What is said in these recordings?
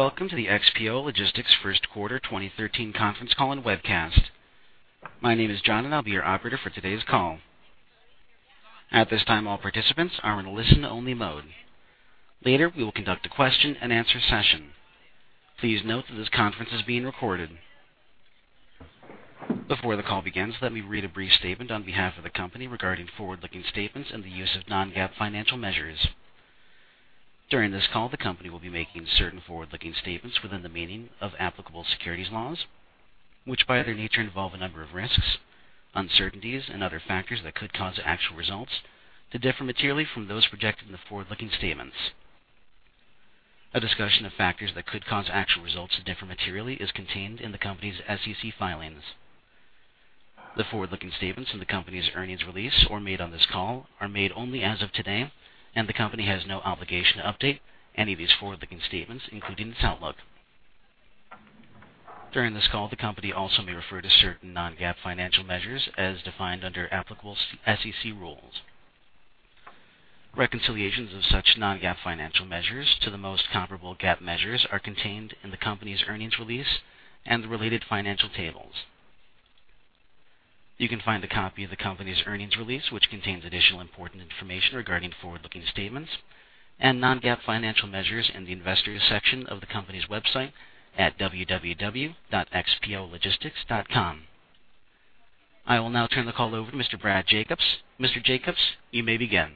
Welcome to the XPO Logistics First Quarter 2013 conference call and webcast. My name is John, and I'll be your operator for today's call. At this time, all participants are in a listen-only mode. Later, we will conduct a question-and-answer session. Please note that this conference is being recorded. Before the call begins, let me read a brief statement on behalf of the company regarding forward-looking statements and the use of non-GAAP financial measures. During this call, the company will be making certain forward-looking statements within the meaning of applicable securities laws, which, by their nature, involve a number of risks, uncertainties, and other factors that could cause actual results to differ materially from those projected in the forward-looking statements. A discussion of factors that could cause actual results to differ materially is contained in the company's SEC filings. The forward-looking statements in the company's earnings release or made on this call are made only as of today, and the company has no obligation to update any of these forward-looking statements, including its outlook. During this call, the company also may refer to certain non-GAAP financial measures as defined under applicable SEC rules. Reconciliations of such non-GAAP financial measures to the most comparable GAAP measures are contained in the company's earnings release and the related financial tables. You can find a copy of the company's earnings release, which contains additional important information regarding forward-looking statements and non-GAAP financial measures, in the Investors section of the company's website at www.xpologistics.com. I will now turn the call over to Mr. Brad Jacobs. Mr. Jacobs, you may begin.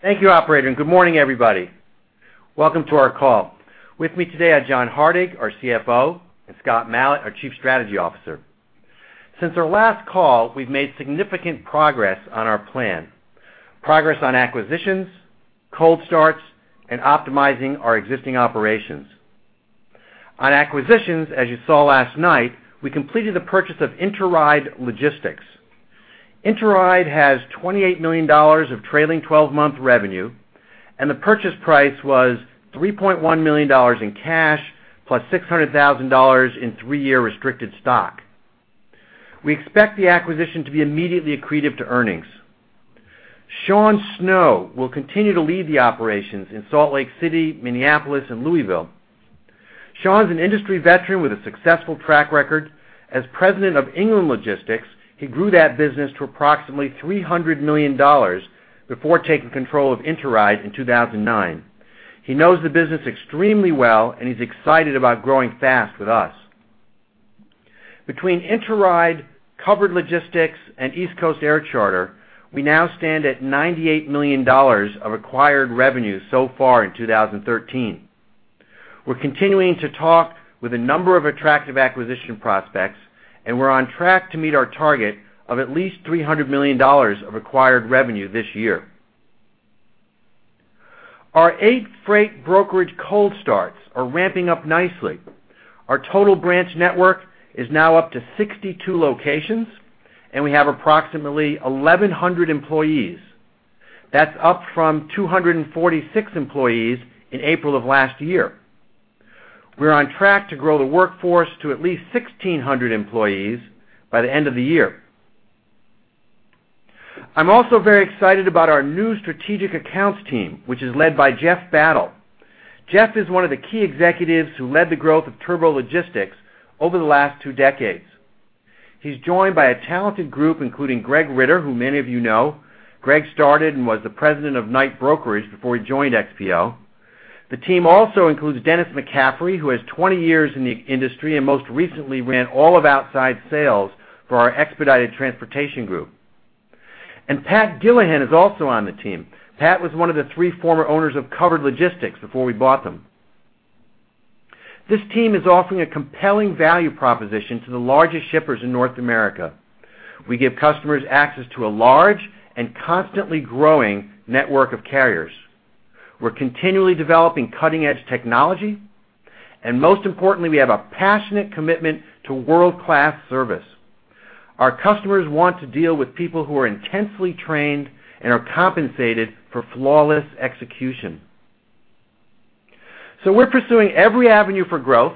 Thank you, operator, and good morning, everybody. Welcome to our call. With me today are John Hardig, our CFO, and Scott Malat, our Chief Strategy Officer. Since our last call, we've made significant progress on our plan, progress on acquisitions, cold starts, and optimizing our existing operations. On acquisitions, as you saw last night, we completed the purchase of Interide Logistics. Interide has $28 million of trailing 12-month revenue, and the purchase price was $3.1 million in cash +$600,000 in 3-year restricted stock. We expect the acquisition to be immediately accretive to earnings. Sean Snow will continue to lead the operations in Salt Lake City, Minneapolis, and Louisville. Sean is an industry veteran with a successful track record. As president of England Logistics, he grew that business to approximately $300 million before taking control of Interide in 2009. He knows the business extremely well, and he's excited about growing fast with us. Between Interide, Covered Logistics, and East Coast Air Charter, we now stand at $98 million of acquired revenue so far in 2013. We're continuing to talk with a number of attractive acquisition prospects, and we're on track to meet our target of at least $300 million of acquired revenue this year. Our eight freight brokerage cold starts are ramping up nicely. Our total branch network is now up to 62 locations, and we have approximately 1,100 employees. That's up from 246 employees in April of last year. We're on track to grow the workforce to at least 1,600 employees by the end of the year. I'm also very excited about our new strategic accounts team, which is led by Jeff Battle. Jeff is one of the key executives who led the growth of Turbo Logistics over the last 2 decades. He's joined by a talented group, including Greg Ritter, who many of you know. Greg started and was the president of Knight Brokerage before he joined XPO. The team also includes Dennis McCaffrey, who has 20 years in the industry and most recently ran all of outside sales for our expedited transportation group. Pat Gillihan is also on the team. Pat was one of the three former owners of Covered Logistics before we bought them. This team is offering a compelling value proposition to the largest shippers in North America. We give customers access to a large and constantly growing network of carriers. We're continually developing cutting-edge technology, and most importantly, we have a passionate commitment to world-class service. Our customers want to deal with people who are intensely trained and are compensated for flawless execution. We're pursuing every avenue for growth,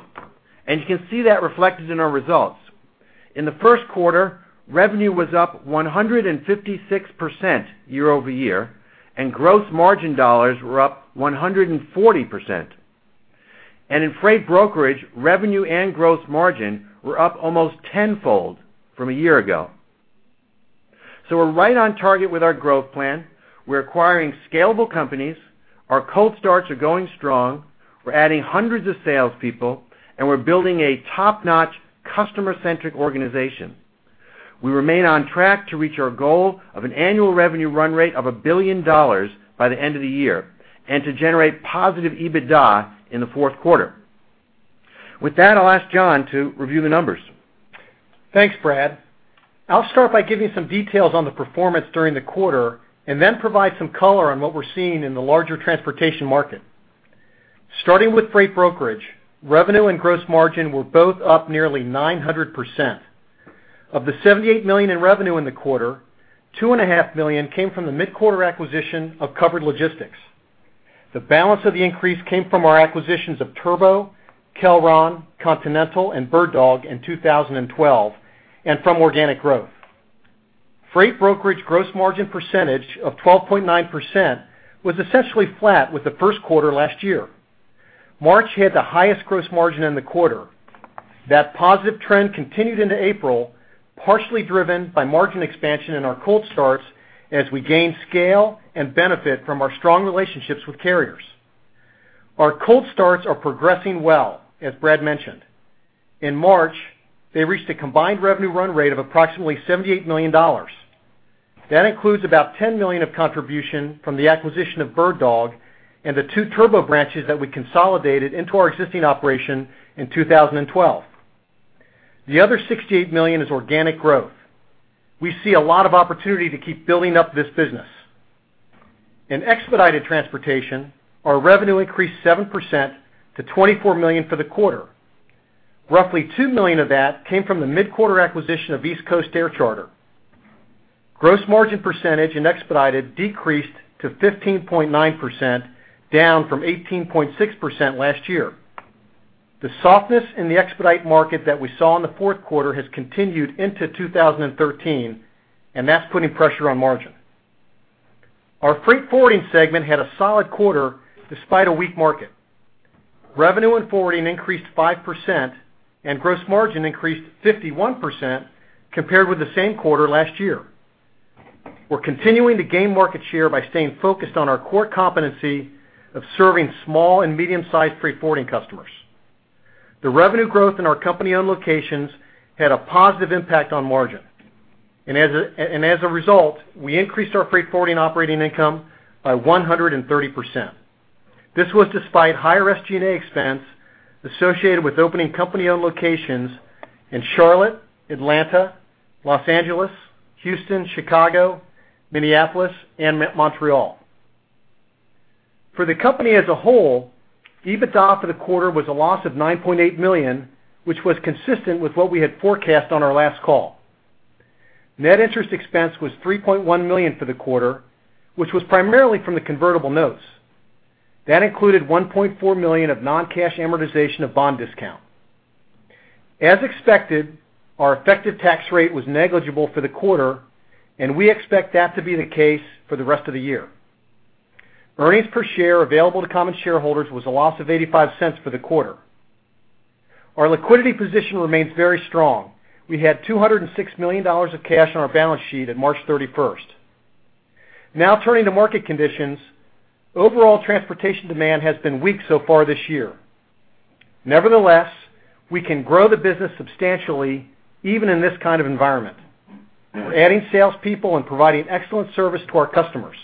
and you can see that reflected in our results. In the first quarter, revenue was up 156% year-over-year, and gross margin dollars were up 140%. In freight brokerage, revenue and gross margin were up almost tenfold from a year ago. We're right on target with our growth plan. We're acquiring scalable companies. Our cold starts are going strong. We're adding hundreds of salespeople, and we're building a top-notch, customer-centric organization. We remain on track to reach our goal of an annual revenue run rate of $1 billion by the end of the year and to generate positive EBITDA in the fourth quarter. With that, I'll ask John to review the numbers. Thanks, Brad. I'll start by giving some details on the performance during the quarter and then provide some color on what we're seeing in the larger transportation market. Starting with freight brokerage, revenue and gross margin were both up nearly 900%. Of the $78 million in revenue in the quarter, $2.5 million came from the mid-quarter acquisition of Covered Logistics. The balance of the increase came from our acquisitions of Turbo, Kelron, Continental, and BirdDog in 2012, and from organic growth. Freight brokerage gross margin percentage of 12.9% was essentially flat with the first quarter last year. March had the highest gross margin in the quarter. That positive trend continued into April, partially driven by margin expansion in our cold starts as we gain scale and benefit from our strong relationships with carriers. Our cold starts are progressing well, as Brad mentioned. In March, they reached a combined revenue run rate of approximately $78 million. That includes about $10 million of contribution from the acquisition of BirdDog and the two Turbo branches that we consolidated into our existing operation in 2012. The other $68 million is organic growth. We see a lot of opportunity to keep building up this business. In expedited transportation, our revenue increased 7% to $24 million for the quarter. Roughly $2 million of that came from the mid-quarter acquisition of East Coast Air Charter. Gross margin percentage in expedited decreased to 15.9%, down from 18.6% last year. The softness in the expedite market that we saw in the fourth quarter has continued into 2013, and that's putting pressure on margin. Our freight forwarding segment had a solid quarter despite a weak market. Revenue in forwarding increased 5%, and gross margin increased 51% compared with the same quarter last year. We're continuing to gain market share by staying focused on our core competency of serving small and medium-sized freight forwarding customers. The revenue growth in our company-owned locations had a positive impact on margin, and as a result, we increased our freight forwarding operating income by 130%. This was despite higher SG&A expense associated with opening company-owned locations in Charlotte, Atlanta, Los Angeles, Houston, Chicago, Minneapolis, and Montreal. For the company as a whole, EBITDA for the quarter was a loss of $9.8 million, which was consistent with what we had forecast on our last call. Net interest expense was $3.1 million for the quarter, which was primarily from the convertible notes. That included $1.4 million of non-cash amortization of bond discount. As expected, our effective tax rate was negligible for the quarter, and we expect that to be the case for the rest of the year. Earnings per share available to common shareholders was a loss of $0.85 for the quarter. Our liquidity position remains very strong. We had $206 million of cash on our balance sheet on March 31st. Now turning to market conditions. Overall, transportation demand has been weak so far this year. Nevertheless, we can grow the business substantially, even in this kind of environment. We're adding salespeople and providing excellent service to our customers.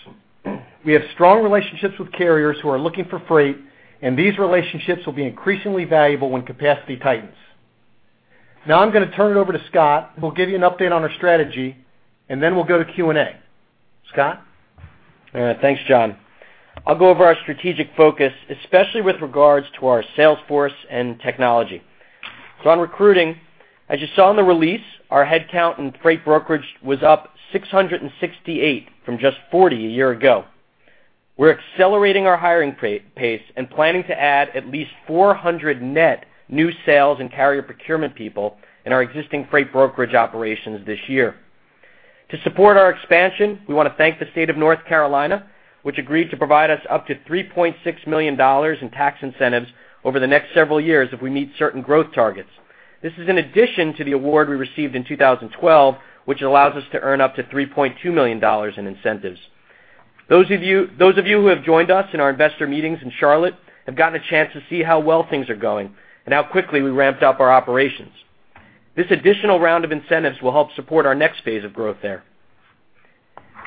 We have strong relationships with carriers who are looking for freight, and these relationships will be increasingly valuable when capacity tightens. Now I'm going to turn it over to Scott, who will give you an update on our strategy, and then we'll go to Q&A. Scott? Thanks, John. I'll go over our strategic focus, especially with regards to our sales force and technology. So on recruiting, as you saw in the release, our headcount in freight brokerage was up 668 from just 40 a year ago. We're accelerating our hiring pace and planning to add at least 400 net new sales and carrier procurement people in our existing freight brokerage operations this year. To support our expansion, we want to thank the state of North Carolina, which agreed to provide us up to $3.6 million in tax incentives over the next several years if we meet certain growth targets. This is in addition to the award we received in 2012, which allows us to earn up to $3.2 million in incentives. Those of you, those of you who have joined us in our investor meetings in Charlotte have gotten a chance to see how well things are going and how quickly we ramped up our operations. This additional round of incentives will help support our next phase of growth there.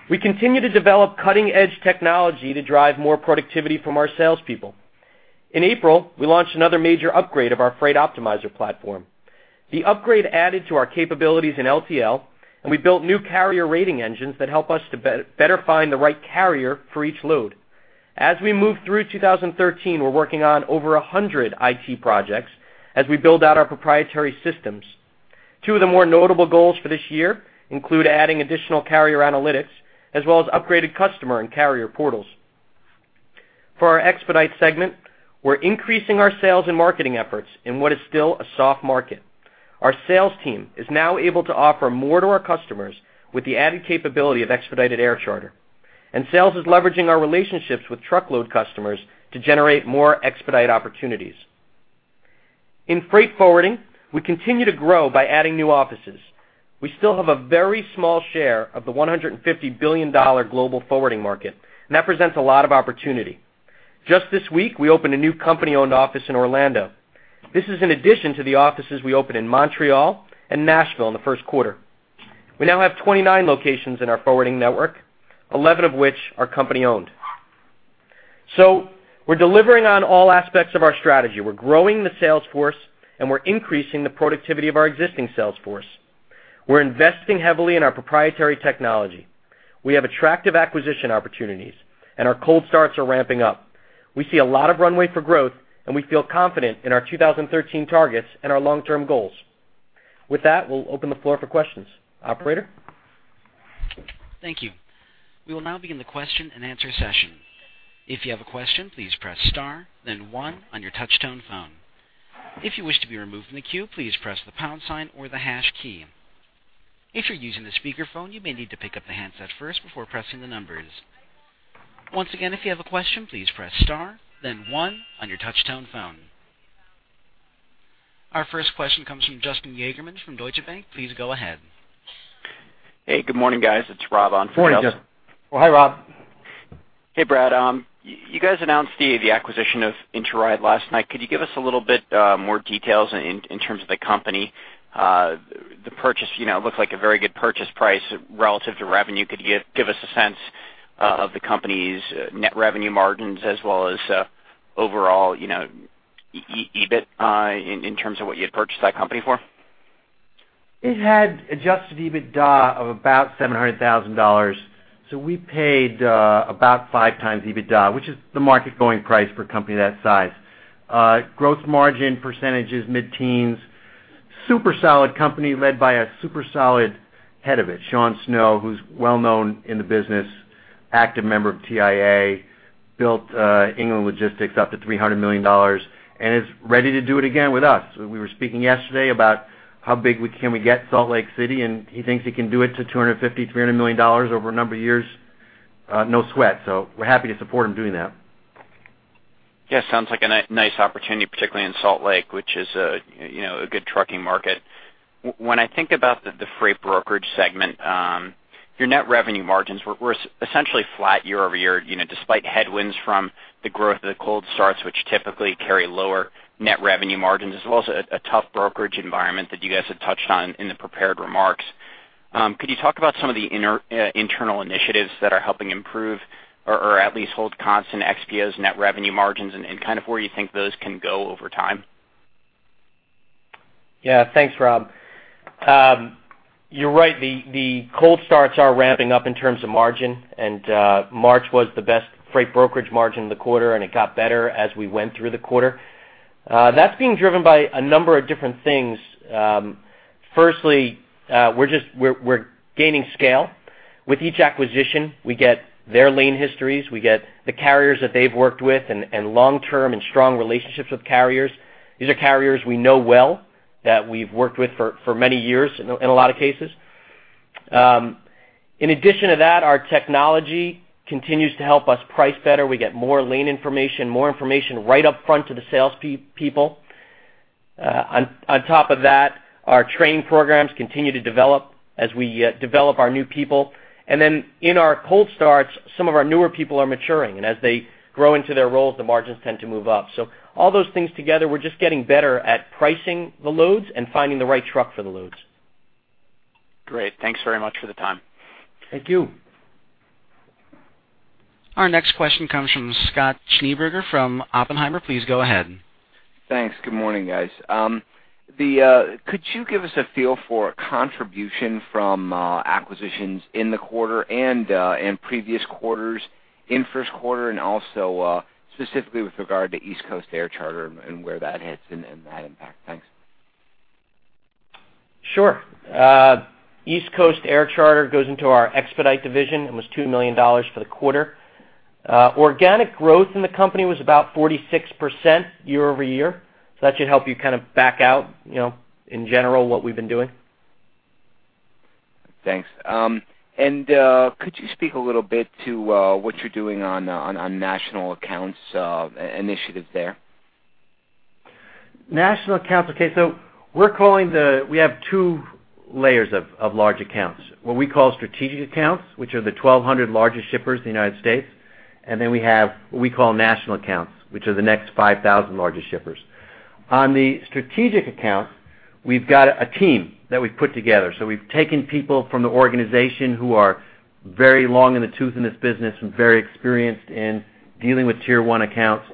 We continue to develop cutting-edge technology to drive more productivity from our salespeople. In April, we launched another major upgrade of our Freight Optimizer platform. The upgrade added to our capabilities in LTL, and we built new carrier rating engines that help us to better find the right carrier for each load. As we move through 2013, we're working on over 100 IT projects as we build out our proprietary systems. Two of the more notable goals for this year include adding additional carrier analytics, as well as upgraded customer and carrier portals. For our expedite segment, we're increasing our sales and marketing efforts in what is still a soft market. Our sales team is now able to offer more to our customers with the added capability of expedited air charter, and sales is leveraging our relationships with truckload customers to generate more expedite opportunities. In freight forwarding, we continue to grow by adding new offices. We still have a very small share of the $150 billion global forwarding market, and that presents a lot of opportunity. Just this week, we opened a new company-owned office in Orlando. This is in addition to the offices we opened in Montreal and Nashville in the first quarter. We now have 29 locations in our forwarding network, 11 locations of which are company-owned. So we're delivering on all aspects of our strategy. We're growing the sales force, and we're increasing the productivity of our existing sales force. We're investing heavily in our proprietary technology. We have attractive acquisition opportunities, and our cold starts are ramping up. We see a lot of runway for growth, and we feel confident in our 2013 targets and our long-term goals. With that, we'll open the floor for questions. Operator? Thank you. We will now begin the question-and-answer session. If you have a question, please press star, then one on your touchtone phone. If you wish to be removed from the queue, please press the pound sign or the hash key. If you're using the speakerphone, you may need to pick up the handset first before pressing the numbers. Once again, if you have a question, please press star, then one on your touchtone phone. Our first question comes from Justin Yagerman from Deutsche Bank. Please go ahead. Hey, good morning, guys. It's Rob on for Justin. Morning, Justin. Well, hi, Rob. Hey, Brad. You guys announced the acquisition of Interide last night. Could you give us a little bit more details in terms of the company? The purchase, you know, looked like a very good purchase price relative to revenue. Could you give us a sense of the company's net revenue margins, as well as overall, you know, EBITDA, in terms of what you had purchased that company for? It had adjusted EBITDA of about $700,000. So we paid about 5x EBITDA, which is the market-going price for a company that size. Gross margin percentage is mid-teens. Super solid company, led by a super solid head of it, Sean Snow, who's well-known in the business, active member of TIA, built England Logistics up to $300 million, and is ready to do it again with us. We were speaking yesterday about how big we can get Salt Lake City, and he thinks he can do it to $250 million-$300 million over a number of years, no sweat. So we're happy to support him doing that. Yeah, sounds like a nice opportunity, particularly in Salt Lake, which is a, you know, a good trucking market. When I think about the, the freight brokerage segment, your net revenue margins were essentially flat year-over-year, you know, despite headwinds from the growth of the cold starts, which typically carry lower net revenue margins, as well as a tough brokerage environment that you guys had touched on in the prepared remarks. Could you talk about some of the internal initiatives that are helping improve or at least hold constant XPO's net revenue margins and kind of where you think those can go over time? Yeah. Thanks, Rob. You're right, the cold starts are ramping up in terms of margin, and March was the best freight brokerage margin in the quarter, and it got better as we went through the quarter. That's being driven by a number of different things. Firstly, we're gaining scale. With each acquisition, we get their lane histories, we get the carriers that they've worked with and long-term and strong relationships with carriers. These are carriers we know well, that we've worked with for many years in a lot of cases. In addition to that, our technology continues to help us price better. We get more lane information, more information right up front to the sales people. On top of that, our training programs continue to develop as we develop our new people. And then in our cold starts, some of our newer people are maturing, and as they grow into their roles, the margins tend to move up. So all those things together, we're just getting better at pricing the loads and finding the right truck for the loads. Great. Thanks very much for the time. Thank you. Our next question comes from Scott Schneeberger from Oppenheimer. Please go ahead. Thanks. Good morning, guys. Could you give us a feel for contribution from acquisitions in the quarter and in previous quarters, in first quarter, and also specifically with regard to East Coast Air Charter and where that hits and that impact? Thanks. Sure. East Coast Air Charter goes into our expedite division and was $2 million for the quarter. Organic growth in the company was about 46% year-over-year. So that should help you kind of back out, you know, in general, what we've been doing. Thanks. Could you speak a little bit to what you're doing on national accounts initiative there? National accounts. Okay, so we have two layers of large accounts, what we call strategic accounts, which are the 1,200 largest shippers in the United States, and then we have what we call national accounts, which are the next 5,000 largest shippers. On the strategic accounts, we've got a team that we've put together. So we've taken people from the organization who are very long in the tooth in this business and very experienced in dealing with Tier 1 accounts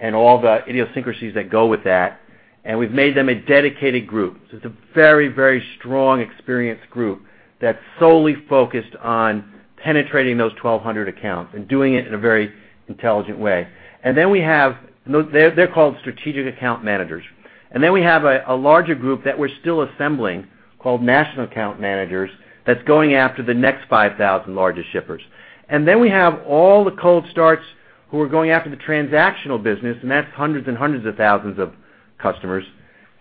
and all the idiosyncrasies that go with that, and we've made them a dedicated group. So it's a very, very strong, experienced group that's solely focused on penetrating those 1,200 accounts and doing it in a very intelligent way. And then we have. They're called strategic account managers. And then we have a larger group that we're still assembling, called national account managers, that's going after the next 5,000 largest shippers. And then we have all the cold starts, who are going after the transactional business, and that's hundreds and hundreds of thousands of customers,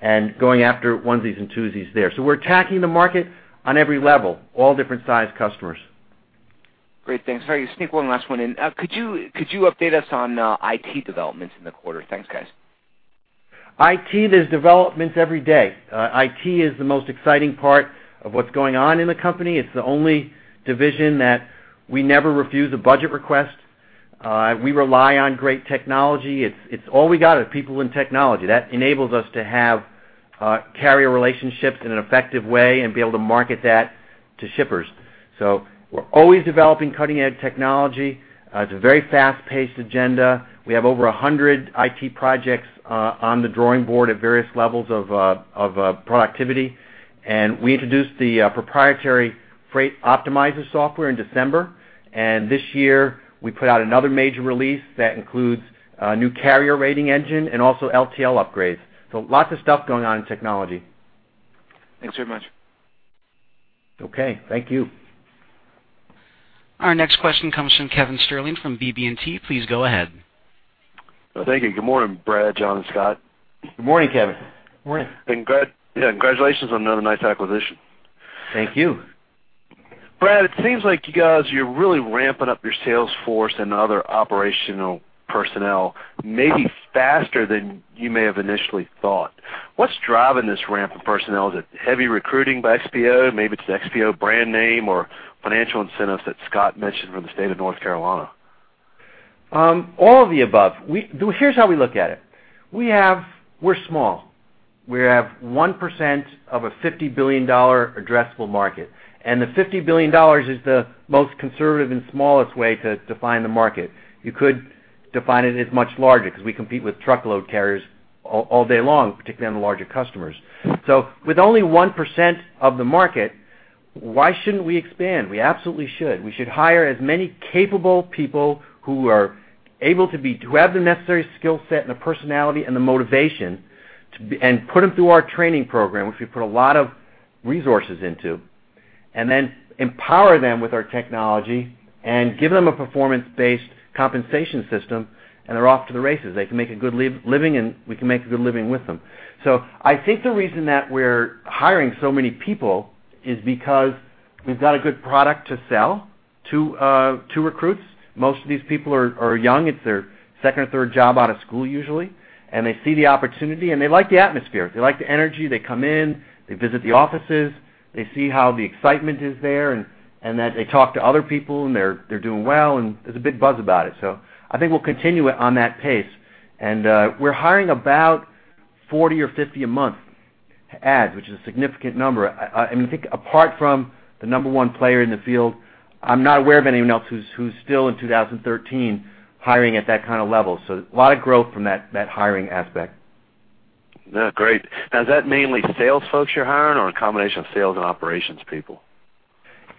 and going after onesies and twosies there. So we're attacking the market on every level, all different-sized customers. Great. Thanks. Sorry, sneak one last one in. Could you, could you update us on IT developments in the quarter? Thanks, guys. IT, there are developments every day. IT is the most exciting part of what's going on in the company. It's the only division that we never refuse a budget request. We rely on great technology. It's, it's all we got is people and technology. That enables us to have carrier relationships in an effective way and be able to market that to shippers. So we're always developing cutting-edge technology. It's a very fast-paced agenda. We have over 100 IT projects on the drawing board at various levels of productivity, and we introduced the proprietary Freight Optimizer software in December. This year, we put out another major release that includes a new carrier rating engine and also LTL upgrades. So lots of stuff going on in technology. Thanks very much. Okay. Thank you. Our next question comes from Kevin Sterling from BB&T. Please go ahead. Thank you. Good morning, Brad, John, and Scott. Good morning, Kevin. Yeah, congratulations on another nice acquisition. Thank you. Brad, it seems like you guys, you're really ramping up your sales force and other operational personnel, maybe faster than you may have initially thought. What's driving this ramp of personnel? Is it heavy recruiting by XPO? Maybe it's the XPO brand name or financial incentives that Scott mentioned from the state of North Carolina. All of the above. We here's how we look at it. We have we're small. We have 1% of a $50 billion addressable market, and the $50 billion is the most conservative and smallest way to define the market. You could define it as much larger because we compete with truckload carriers all, all day long, particularly on the larger customers. So with only 1% of the market, why shouldn't we expand? We absolutely should. We should hire as many capable people who are able to be who have the necessary skill set and the personality and the motivation to be. And put them through our training program, which we put a lot of resources into, and then empower them with our technology and give them a performance-based compensation system, and they're off to the races. They can make a good living, and we can make a good living with them. So I think the reason that we're hiring so many people is because we've got a good product to sell to recruits. Most of these people are young. It's their second or third job out of school, usually, and they see the opportunity, and they like the atmosphere. They like the energy. They come in, they visit the offices, they see how the excitement is there, and that they talk to other people, and they're doing well, and there's a big buzz about it. So I think we'll continue it on that pace. And we're hiring about 40 month or 50 a month to add, which is a significant number. I think apart from the number one player in the field, I'm not aware of anyone else who's still in 2013, hiring at that kind of level. So a lot of growth from that hiring aspect. Great. Now, is that mainly sales folks you're hiring or a combination of sales and operations people?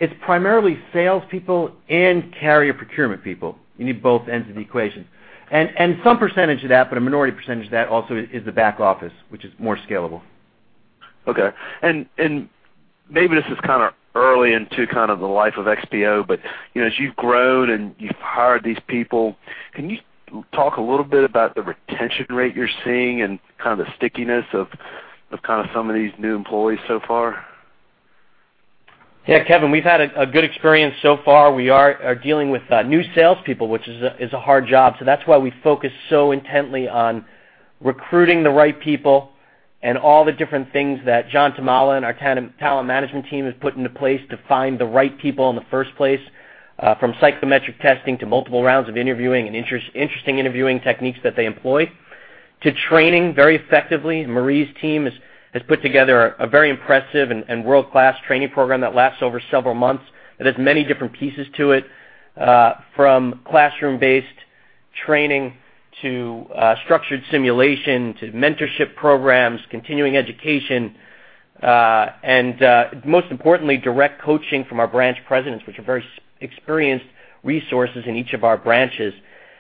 It's primarily salespeople and carrier procurement people. You need both ends of the equation. And some percentage of that, but a minority percentage of that also is the back office, which is more scalable. Okay. And maybe this is kind of early into kind of the life of XPO, but, you know, as you've grown and you've hired these people, can you talk a little bit about the retention rate you're seeing and kind of the stickiness of, of kind of some of these new employees so far? Yeah, Kevin, we've had a good experience so far. We are dealing with new salespeople, which is a hard job. So that's why we focus so intently on recruiting the right people and all the different things that John Tuomala and our talent management team has put into place to find the right people in the first place, from psychometric testing to multiple rounds of interviewing and interesting interviewing techniques that they employ, to training very effectively. Marie's team has put together a very impressive and world-class training program that lasts over several months, that has many different pieces to it, from classroom-based training to structured simulation, to mentorship programs, continuing education, and most importantly, direct coaching from our branch presidents, which are very experienced resources in each of our branches.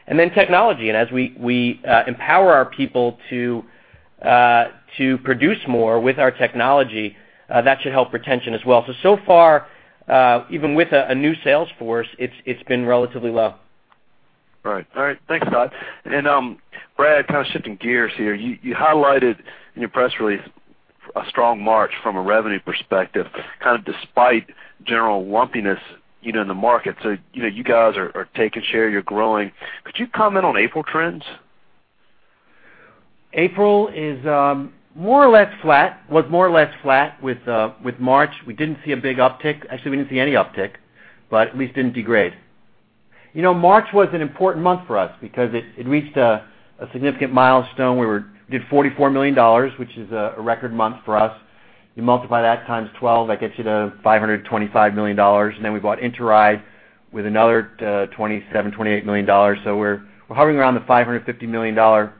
Then technology, and as we empower our people to produce more with our technology, that should help retention as well. So far, even with a new sales force, it's been relatively low. Right. All right. Thanks, Scott. And, Brad, kind of shifting gears here. You highlighted in your press release a strong March from a revenue perspective, kind of despite general lumpiness, you know, in the market. So, you know, you guys are taking share, you're growing. Could you comment on April trends? April is more or less flat, was more or less flat with with March. We didn't see a big uptick. Actually, we didn't see any uptick, but at least didn't degrade. You know, March was an important month for us because it reached a significant milestone, where we did $44 million, which is a record month for us. You multiply that times 12, that gets you to $525 million, and then we bought Interide with another $27 million, $28 million. So we're hovering around the $550 million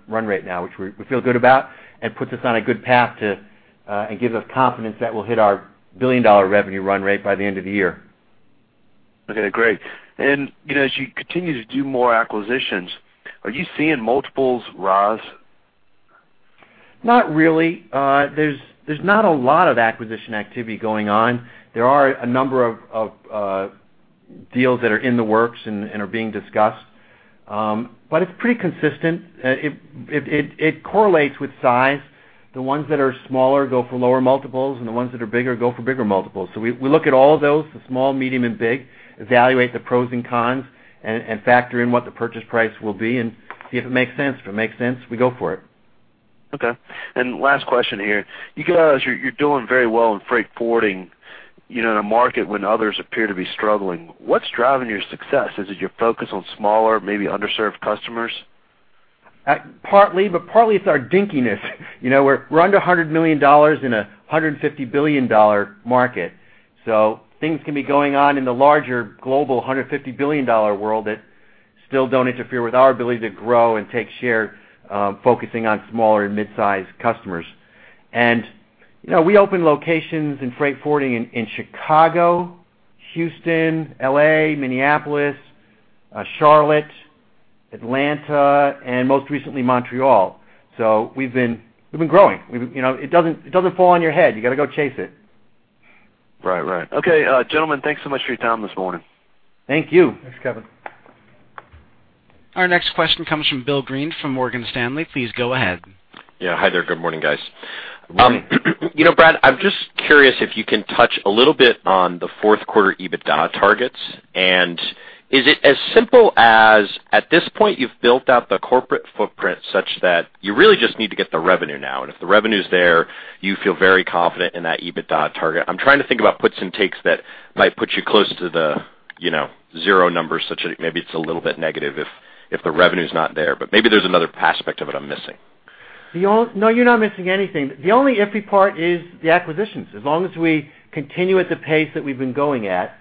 run rate now, which we feel good about and puts us on a good path to and gives us confidence that we'll hit our billion-dollar revenue run rate by the end of the year. Okay, great. And, you know, as you continue to do more acquisitions, are you seeing multiples rise? Not really. There's not a lot of acquisition activity going on. There are a number of deals that are in the works and are being discussed, but it's pretty consistent. It correlates with size. The ones that are smaller go for lower multiples, and the ones that are bigger go for bigger multiples. So we look at all of those, the small, medium, and big, evaluate the pros and cons and factor in what the purchase price will be and see if it makes sense. If it makes sense, we go for it. Okay. And last question here: You guys, you're, you're doing very well in freight forwarding, you know, in a market when others appear to be struggling. What's driving your success? Is it your focus on smaller, maybe underserved customers? Partly, but partly it's our dinkiness. You know, we're, we're under $100 million in a $150 billion market, so things can be going on in the larger global $150 billion world that still don't interfere with our ability to grow and take share, focusing on smaller and mid-sized customers. And, you know, we opened locations in freight forwarding in Chicago, Houston, L.A., Minneapolis, Charlotte, Atlanta, and most recently, Montreal. So we've been, we've been growing. We've, you know, it doesn't, it doesn't fall on your head. You got to go chase it. Right. Right. Okay, gentlemen, thanks so much for your time this morning. Thank you. Thanks, Kevin. Our next question comes from Bill Greene from Morgan Stanley. Please go ahead. Yeah. Hi there. Good morning, guys. You know, Brad, I'm just curious if you can touch a little bit on the fourth quarter EBITDA targets. And is it as simple as, at this point, you've built out the corporate footprint such that you really just need to get the revenue now, and if the revenue is there, you feel very confident in that EBITDA target? I'm trying to think about puts and takes that might put you close to the, you know, zero numbers, such that maybe it's a little bit negative if the revenue is not there, but maybe there's another aspect of it I'm missing. No, you're not missing anything. The only iffy part is the acquisitions. As long as we continue at the pace that we've been going at,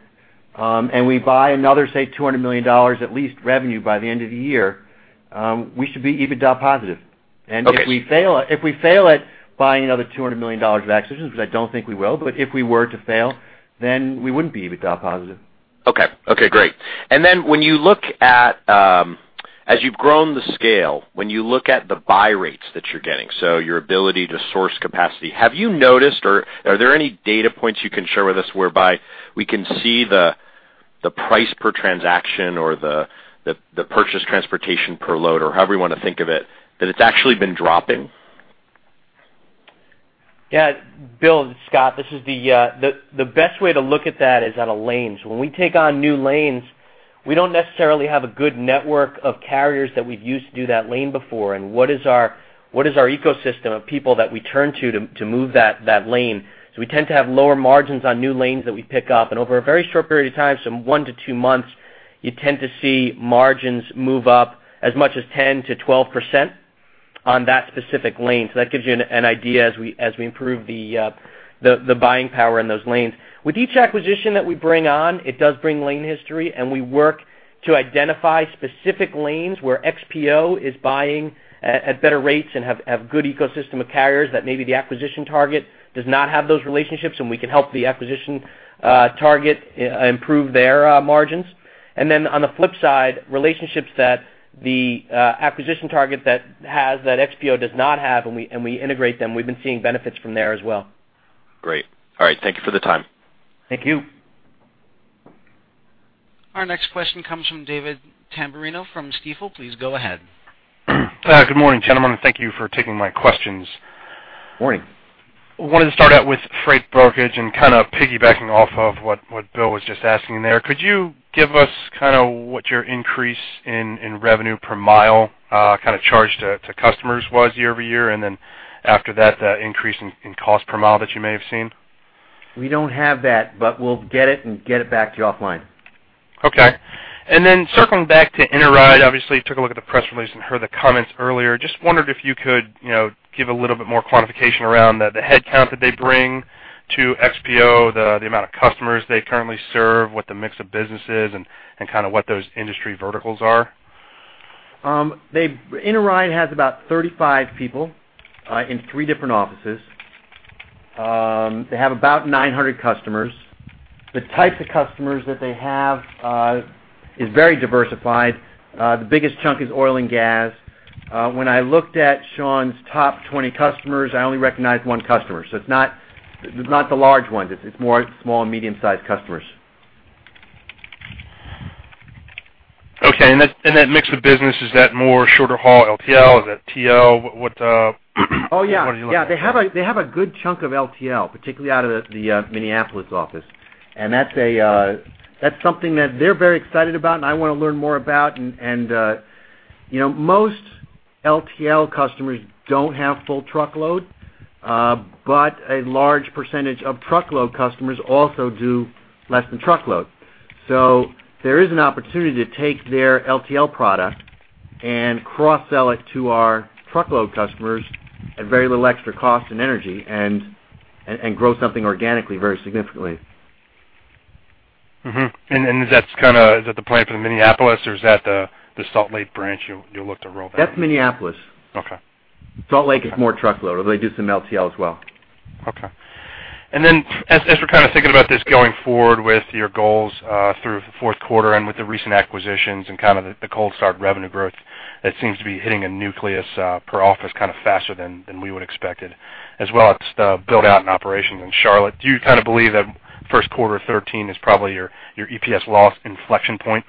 and we buy another, say, $200 million, at least, revenue by the end of the year, we should be EBITDA positive. Okay. If we fail, if we fail at buying another $200 million of acquisitions, which I don't think we will, but if we were to fail, then we wouldn't be EBITDA positive. Okay. Okay, great. And then when you look at, as you've grown the scale, when you look at the buy rates that you're getting, so your ability to source capacity, have you noticed or are there any data points you can share with us whereby we can see the price per transaction or the purchase transportation per load, or however you want to think of it, that it's actually been dropping? Yeah, Bill, it's Scott. This is the best way to look at that is out of lanes. When we take on new lanes, we don't necessarily have a good network of carriers that we've used to do that lane before, and what is our ecosystem of people that we turn to to move that lane? So we tend to have lower margins on new lanes that we pick up. Over a very short period of time, some one to months, you tend to see margins move up as much as 10%-12% on that specific lane. So that gives you an idea as we improve the buying power in those lanes. With each acquisition that we bring on, it does bring lane history, and we work to identify specific lanes where XPO is buying at better rates and have good ecosystem of carriers that maybe the acquisition target does not have those relationships, and we can help the acquisition target improve their margins. And then on the flip side, relationships that the acquisition target that has, that XPO does not have, and we integrate them. We've been seeing benefits from there as well. Great. All right. Thank you for the time. Thank you. Our next question comes from David Tamberino from Stifel. Please go ahead. Good morning, gentlemen, thank you for taking my questions. Morning. I wanted to start out with freight brokerage and kind of piggybacking off of what Bill was just asking there. Could you give us kind of what your increase in revenue per mile, kind of charge to customers was year-over-year? And then after that, the increase in cost per mile that you may have seen? We don't have that, but we'll get it and get it back to you offline. Okay. And then circling back to Interide, obviously, took a look at the press release and heard the comments earlier. Just wondered if you could, you know, give a little bit more quantification around the, the headcount that they bring to XPO, the, the amount of customers they currently serve, what the mix of businesses and, and kind of what those industry verticals are. Interide has about 35 people in three different offices. They have about 900 customers. The type of customers that they have is very diversified. The biggest chunk is oil and gas. When I looked at Sean's top 20 customers, I only recognized one customer, so it's not, it's not the large ones. It's more small and medium-sized customers. Okay. And that, and that mix of business, is that more shorter-haul LTL? Is that TL? What, what do you look at? Oh, yeah. Yeah, they have a good chunk of LTL, particularly out of the Minneapolis office. And that's something that they're very excited about and I want to learn more about. And, you know, most LTL customers don't have full truckload, but a large percentage of truckload customers also do less than truckload. So there is an opportunity to take their LTL product and cross-sell it to our truckload customers at very little extra cost and energy, and grow something organically, very significantly. Mm-hmm. And then, is that kind of the plan for the Minneapolis or is that the Salt Lake branch you'll look to roll back? That's Minneapolis. Okay. Salt Lake is more truckload, but they do some LTL as well. Okay. And then as we're kind of thinking about this going forward with your goals through the fourth quarter and with the recent acquisitions and kind of the cold start revenue growth, that seems to be hitting a nucleus per office kind of faster than we would expected, as well as the build-out and operations in Charlotte. Do you kind of believe that first quarter thirteen is probably your EPS loss inflection point?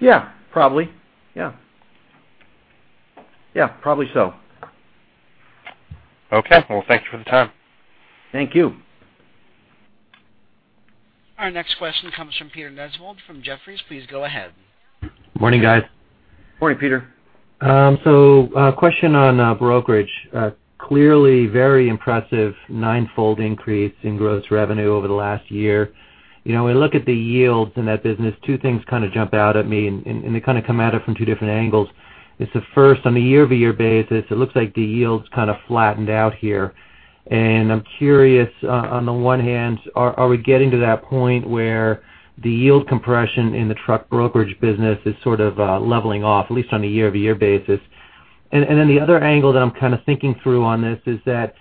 Yeah, probably. Yeah. Yeah, probably so. Okay. Well, thank you for the time. Thank you. Our next question comes from Peter Nesvold from Jefferies. Please go ahead. Morning, guys. Morning, Peter. So, question on brokerage. Clearly very impressive ninefold increase in gross revenue over the last year. You know, when I look at the yields in that business, two things kind of jump out at me, and they kind of come at it from two different angles. First, on a year-over-year basis, it looks like the yields kind of flattened out here. I'm curious, on the one hand, are we getting to that point where the yield compression in the truck brokerage business is sort of leveling off, at least on a year-over-year basis? Then the other angle that I'm kind of thinking through on this is that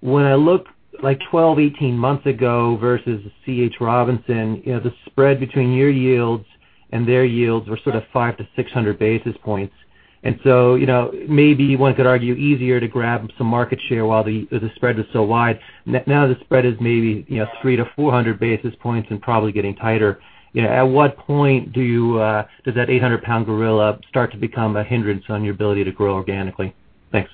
when I look like 12 months, 18 months ago versus C.H. Robinson, you know, the spread between your yields and their yields were sort of 500 basis points-600 basis points. And so, you know, maybe one could argue easier to grab some market share while the, the spread was so wide. Now the spread is maybe, you know, 300 basis points-400 basis points and probably getting tighter. You know, at what point do you does that 800-pound gorilla start to become a hindrance on your ability to grow organically? Thanks.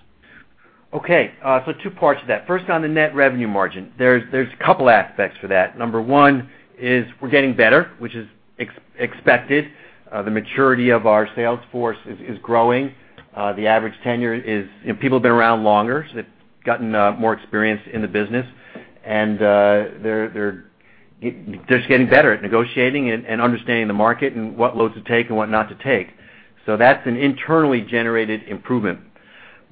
Okay, so two parts to that. First, on the net revenue margin, there's a couple aspects to that. Number one is we're getting better, which is expected. The maturity of our sales force is growing. The average tenure is, you know, people have been around longer, so they've gotten more experience in the business. And they're just getting better at negotiating and understanding the market and what loads to take and what not to take. So that's an internally generated improvement.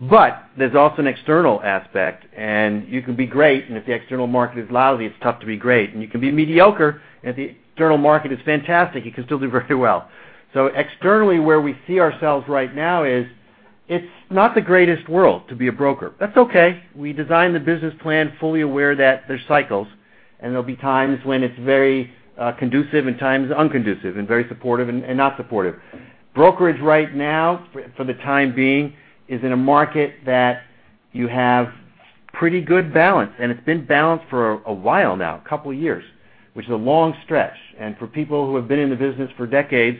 But there's also an external aspect, and you can be great, and if the external market is lousy, it's tough to be great. And you can be mediocre, and if the external market is fantastic, you can still do very well. So externally, where we see ourselves right now is, it's not the greatest world to be a broker. That's okay. We designed the business plan fully aware that there's cycles, and there'll be times when it's very conducive and times unconducive, and very supportive and not supportive. Brokerage right now, for the time being, is in a market that you have pretty good balance, and it's been balanced for a while now, a couple years, which is a long stretch. And for people who have been in the business for decades,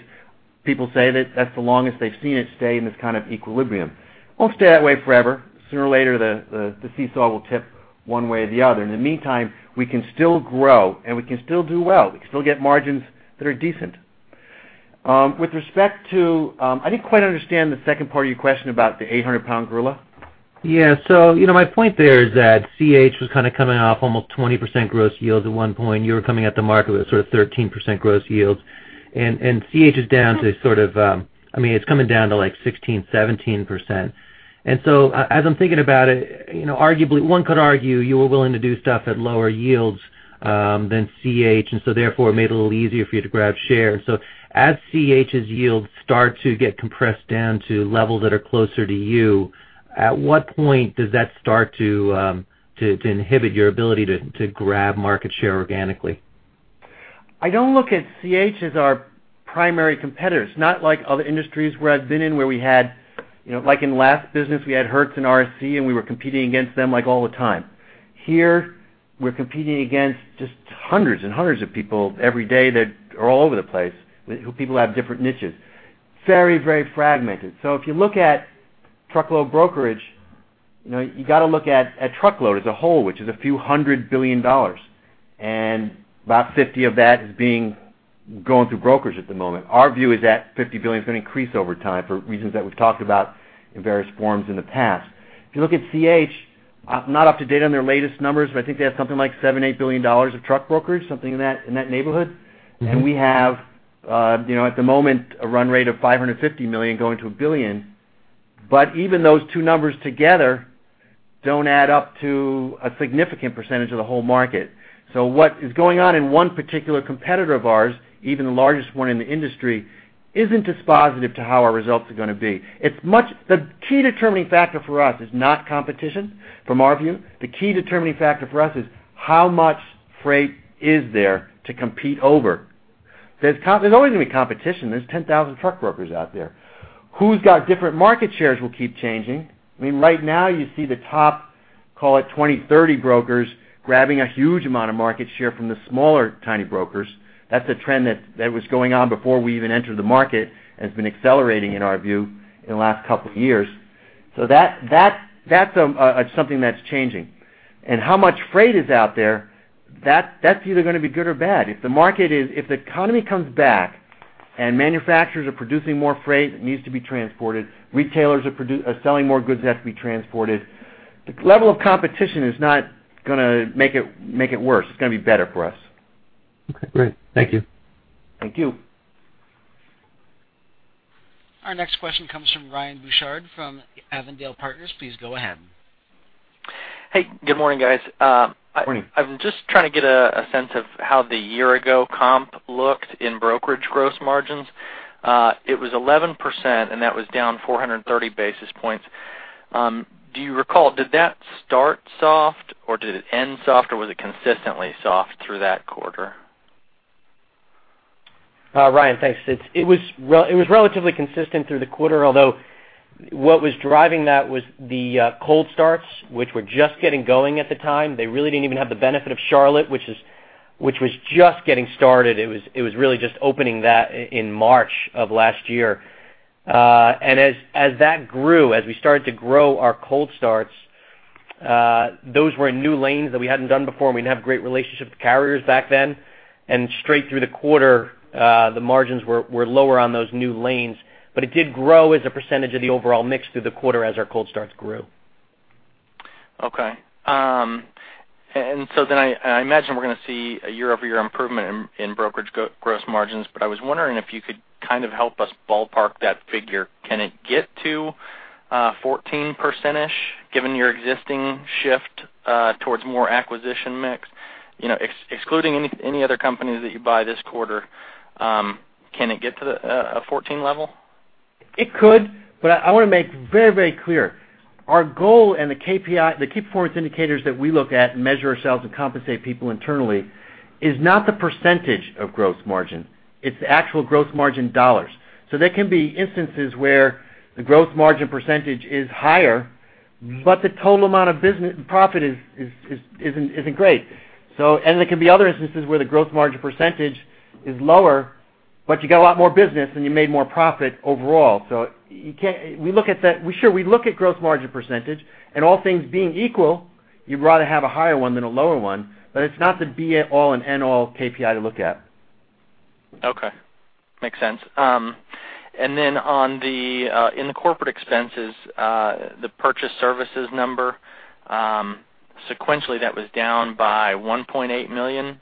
people say that that's the longest they've seen it stay in this kind of equilibrium. Won't stay that way forever. Sooner or later, the seesaw will tip one way or the other. In the meantime, we can still grow, and we can still do well. We can still get margins that are decent. With respect to, I didn't quite understand the second part of your question about the 800-pound gorilla. Yeah. So, you know, my point there is that C.H. was kind of coming off almost 20% gross yields at one point. You were coming at the market with sort of 13% gross yields, and, and C.H. is down to sort of, I mean, it's coming down to, like, 16%-17%. And so as I'm thinking about it, you know, arguably, one could argue you were willing to do stuff at lower yields than C.H., and so therefore, it made it a little easier for you to grab share. So as C.H.'s yields start to get compressed down to levels that are closer to you, at what point does that start to inhibit your ability to grab market share organically? I don't look at C.H. as our primary competitors, not like other industries where I've been in, where we had, you know, like in the last business, we had Hertz and RSC, and we were competing against them, like, all the time. Here, we're competing against just hundreds and hundreds of people every day that are all over the place, where people have different niches. Very, very fragmented. So if you look at truckload brokerage, you know, you got to look at truckload as a whole, which is a few $100 billion, and about $50 billion of that is going through brokerage at the moment. Our view is that $50 billion is going to increase over time for reasons that we've talked about in various forms in the past. If you look at C.H., I'm not up to date on their latest numbers, but I think they have something like $7 billion-$8 billion of truck brokers, something in that, in that neighborhood. Mm-hmm. We have, you know, at the moment, a run rate of $550 million going to $1 billion. But even those two numbers together don't add up to a significant percentage of the whole market. So what is going on in one particular competitor of ours, even the largest one in the industry, isn't as positive to how our results are going to be. It's much the key determining factor for us is not competition, from our view. The key determining factor for us is how much freight is there to compete over. There's always going to be competition. There's 10,000 truck brokers out there. Who's got different market shares will keep changing. I mean, right now you see the top, call it 20 brokers, 30 brokers, grabbing a huge amount of market share from the smaller, tiny brokers. That's a trend that was going on before we even entered the market and has been accelerating, in our view, in the last couple of years. So that's something that's changing. And how much freight is out there, that's either going to be good or bad. If the economy comes back and manufacturers are producing more freight that needs to be transported, retailers are selling more goods that have to be transported, the level of competition is not going to make it worse. It's going to be better for us. Okay, great. Thank you. Thank you. Our next question comes from Ryan Bouchard from Avondale Partners. Please go ahead. Hey, good morning, guys. Good morning. I'm just trying to get a sense of how the year-ago comp looked in brokerage gross margins. It was 11%, and that was down 430 basis points. Do you recall, did that start soft, or did it end soft, or was it consistently soft through that quarter? Ryan, thanks. It, it was relatively consistent through the quarter, although what was driving that was the, cold starts, which were just getting going at the time. They really didn't even have the benefit of Charlotte, which was just getting started. It was, it was really just opening that in March of last year. And as, as that grew, as we started to grow our cold starts, those were in new lanes that we hadn't done before, and we didn't have great relationships with carriers back then. And straight through the quarter, the margins were, were lower on those new lanes, but it did grow as a percentage of the overall mix through the quarter as our cold starts grew. Okay. And so then I imagine we're going to see a year-over-year improvement in brokerage gross margins, but I was wondering if you could kind of help us ballpark that figure. Can it get to 14%-ish, given your existing shift towards more acquisition mix? You know, excluding any other companies that you buy this quarter, can it get to a 14% level? It could, but I want to make very, very clear, our goal and the KPI, the key performance indicators that we look at and measure ourselves and compensate people internally, is not the percentage of gross margin, it's the actual gross margin dollars. So there can be instances where the gross margin percentage is higher, but the total amount of business and profit isn't great. And there can be other instances where the gross margin percentage is lower, but you get a lot more business and you made more profit overall. So you can't. We look at that. We're sure we look at gross margin percentage, and all things being equal, you'd rather have a higher one than a lower one, but it's not the be all and end all KPI to look at. Okay, makes sense. And then on the, in the corporate expenses, the purchase services number, sequentially, that was down by $1.8 million.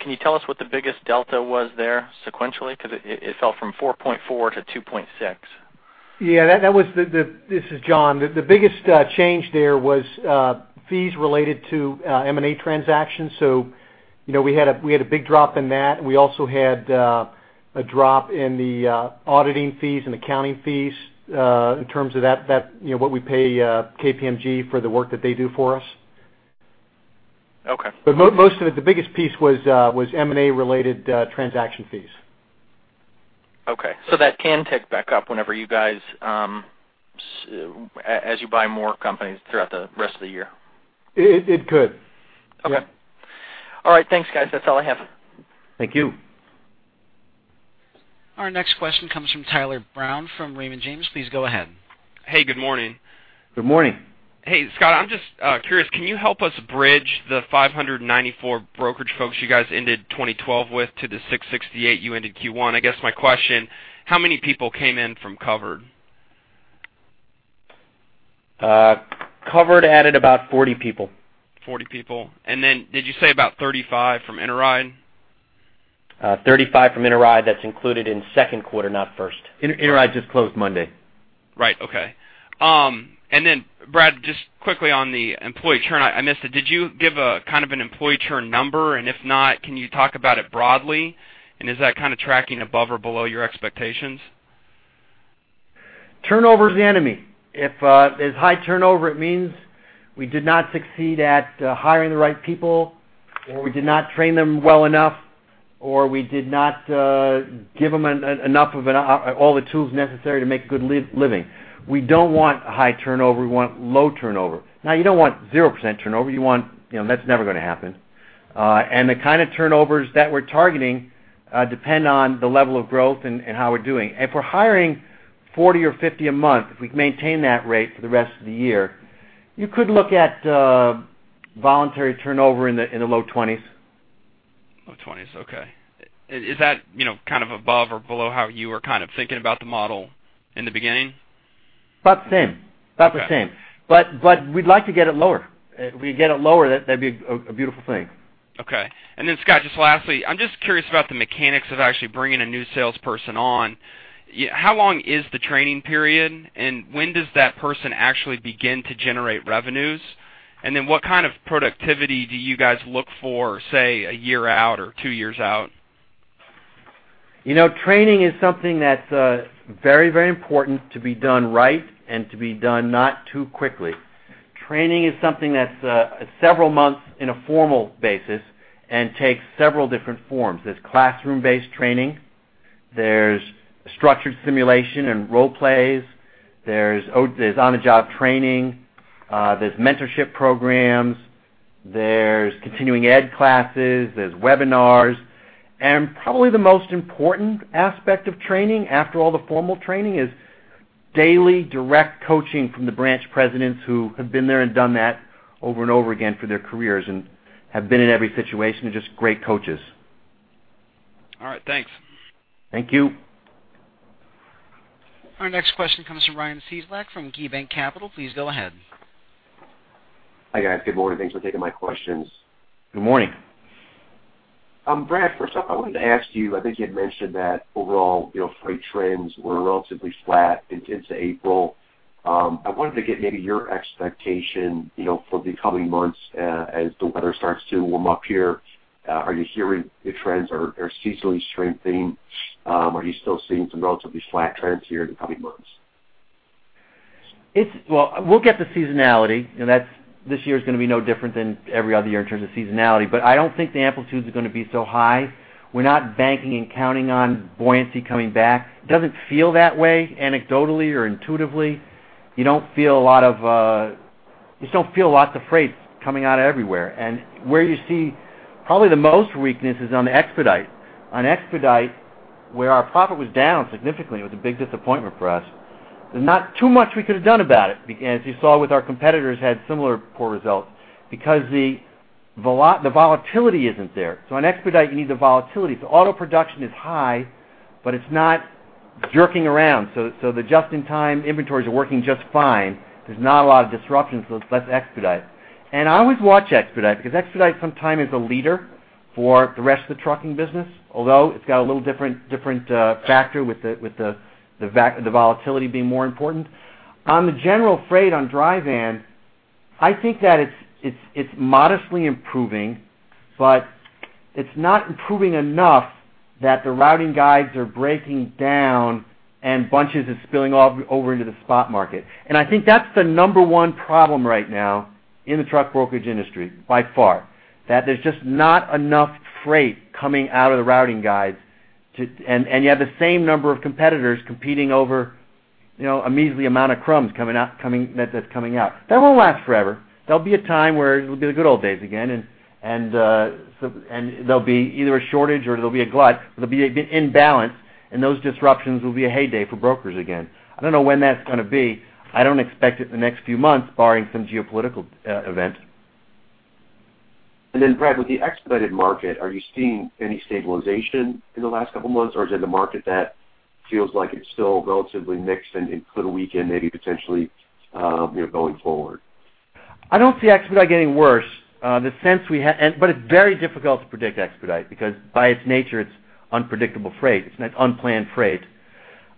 Can you tell us what the biggest delta was there sequentially? Because it, it fell from $4.4 million-$2.6 million. Yeah, that was the this is John. The biggest change there was fees related to M&A transactions. So, you know, we had a big drop in that. We also had a drop in the auditing fees and accounting fees, in terms of that, you know, what we pay KPMG for the work that they do for us. Okay. Most of it, the biggest piece was M&A-related transaction fees. Okay, so that can tick back up whenever you guys, as you buy more companies throughout the rest of the year? It could. Okay. Yeah. All right. Thanks, guys. That's all I have. Thank you. Our next question comes from Tyler Brown, from Raymond James. Please go ahead. Hey, good morning. Good morning. Hey, Scott, I'm just curious, can you help us bridge the 594 brokerage folks you guys ended 2012 with to the 668 you ended Q1? I guess my question, how many people came in from Covered? Covered added about 40 people. 40 people. And then did you say about 35 from Interide? 35 from Interide, that's included in second quarter, not first. Interide just closed Monday. Right. Okay. And then, Brad, just quickly on the employee churn, I missed it. Did you give a kind of an employee churn number? And if not, can you talk about it broadly? And is that kind of tracking above or below your expectations? Turnover is the enemy. If there's high turnover, it means we did not succeed at hiring the right people, or we did not train them well enough, or we did not give them enough of all the tools necessary to make a good living. We don't want high turnover. We want low turnover. Now, you don't want 0% turnover. You want you know, that's never going to happen. And the kind of turnovers that we're targeting depend on the level of growth and how we're doing. If we're hiring 40 employees or 50 employees a month, if we maintain that rate for the rest of the year, you could look at voluntary turnover in the low 20s employees. Low 20s employees, okay. Is that, you know, kind of above or below how you were kind of thinking about the model in the beginning? About the same. Okay. About the same. But, but we'd like to get it lower. If we get it lower, that'd be a, a beautiful thing. Okay. And then, Scott, just lastly, I'm just curious about the mechanics of actually bringing a new salesperson on. How long is the training period, and when does that person actually begin to generate revenues? And then what kind of productivity do you guys look for, say, a year out or two years out? You know, training is something that's very, very important to be done right and to be done not too quickly. Training is something that's several months in a formal basis and takes several different forms. There's classroom-based training, there's structured simulation and role plays, there's on-the-job training, there's mentorship programs, there's continuing ed classes, there's webinars. Probably the most important aspect of training, after all the formal training, is daily direct coaching from the branch presidents who have been there and done that over and over again for their careers and have been in every situation, are just great coaches. All right, thanks. Thank you. Our next question comes from Ryan Cieslak from KeyBanc Capital. Please go ahead. Hi, guys. Good morning. Thanks for taking my questions. Good morning. Brad, first up, I wanted to ask you. I think you had mentioned that overall, you know, freight trends were relatively flat into April. I wanted to get maybe your expectation, you know, for the coming months, as the weather starts to warm up here. Are you hearing the trends are seasonally strengthening? Are you still seeing some relatively flat trends here in the coming months? Well, we'll get the seasonality, you know, that's this year is going to be no different than every other year in terms of seasonality, but I don't think the amplitude is going to be so high. We're not banking and counting on buoyancy coming back. It doesn't feel that way, anecdotally or intuitively. You don't feel a lot of, you just don't feel lots of freight coming out of everywhere. And where you see probably the most weakness is on the expedite. On expedite, where our profit was down significantly, it was a big disappointment for us. There's not too much we could have done about it, as you saw with our competitors, had similar poor results because the volatility isn't there. So on expedite, you need the volatility. So auto production is high, but it's not jerking around. So, the just-in-time inventories are working just fine. There's not a lot of disruption, so let's expedite. And I always watch expedite, because expedite sometimes is a leader for the rest of the trucking business, although it's got a little different factor with the volatility being more important. On the general freight, on dry van. I think that it's modestly improving, but it's not improving enough that the routing guides are breaking down and bunches are spilling off over into the spot market. And I think that's the number one problem right now in the truck brokerage industry, by far, that there's just not enough freight coming out of the routing guides to and you have the same number of competitors competing over, you know, a measly amount of crumbs coming out, that's coming out. That won't last forever. There'll be a time where it'll be the good old days again, and there'll be either a shortage or there'll be a glut, but there'll be an imbalance, and those disruptions will be a heyday for brokers again. I don't know when that's gonna be. I don't expect it in the next few months, barring some geopolitical event. And then, Brad, with the expedited market, are you seeing any stabilization in the last couple of months, or is it the market that feels like it's still relatively mixed and could weaken, maybe potentially, you know, going forward? I don't see expedite getting worse, the sense we have. But it's very difficult to predict expedite because by its nature, it's unpredictable freight. It's unplanned freight.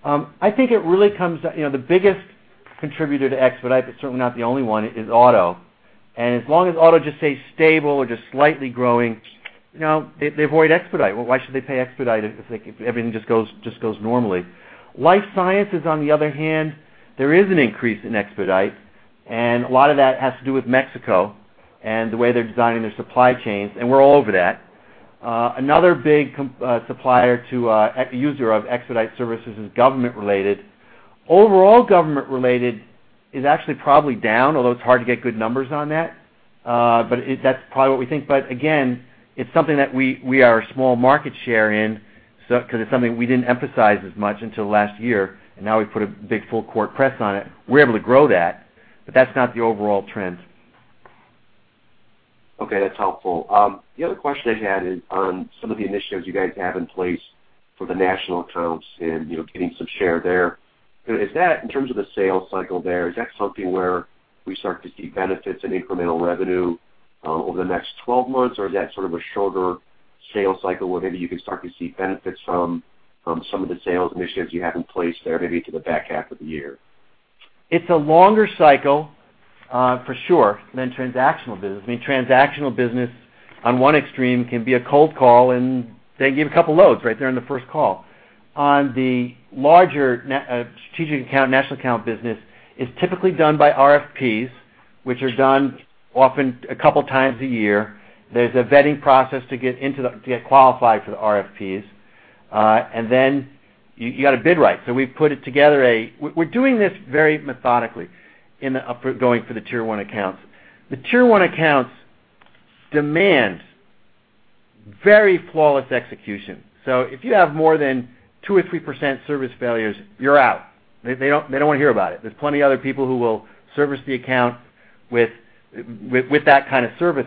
I think it really comes, you know, the biggest contributor to expedite, but certainly not the only one, is auto. And as long as auto just stays stable or just slightly growing, you know, they, they avoid expedite. Why should they pay expedite if, if everything just goes, just goes normally? Life sciences, on the other hand, there is an increase in expedite, and a lot of that has to do with Mexico and the way they're designing their supply chains, and we're all over that. Another big supplier to user of expedite services is government-related. Overall, government-related is actually probably down, although it's hard to get good numbers on that, but that's probably what we think. But again, it's something that we are a small market share in, 'cause it's something we didn't emphasize as much until last year, and now we've put a big full court press on it. We're able to grow that, but that's not the overall trend. Okay, that's helpful. The other question I had is on some of the initiatives you guys have in place for the national accounts and, you know, getting some share there. Is that, in terms of the sales cycle there, is that something where we start to see benefits and incremental revenue over the next 12 months? Or is that sort of a shorter sales cycle where maybe you can start to see benefits from, from some of the sales initiatives you have in place there, maybe to the back half of the year? It's a longer cycle, for sure, than transactional business. I mean, transactional business, on one extreme, can be a cold call, and they give a couple of loads right there on the first call. On the larger strategic account, national account business, is typically done by RFPs, which are done often a couple of times a year. There's a vetting process to get into to get qualified for the RFPs, and then you, you got to bid right. So we've put it together. We're doing this very methodically in the upfront, going for the Tier 1 accounts. The Tier 1 accounts demand very flawless execution. So if you have more than 2% or 3% service failures, you're out. They, they don't, they don't want to hear about it. There's plenty of other people who will service the account with that kind of service,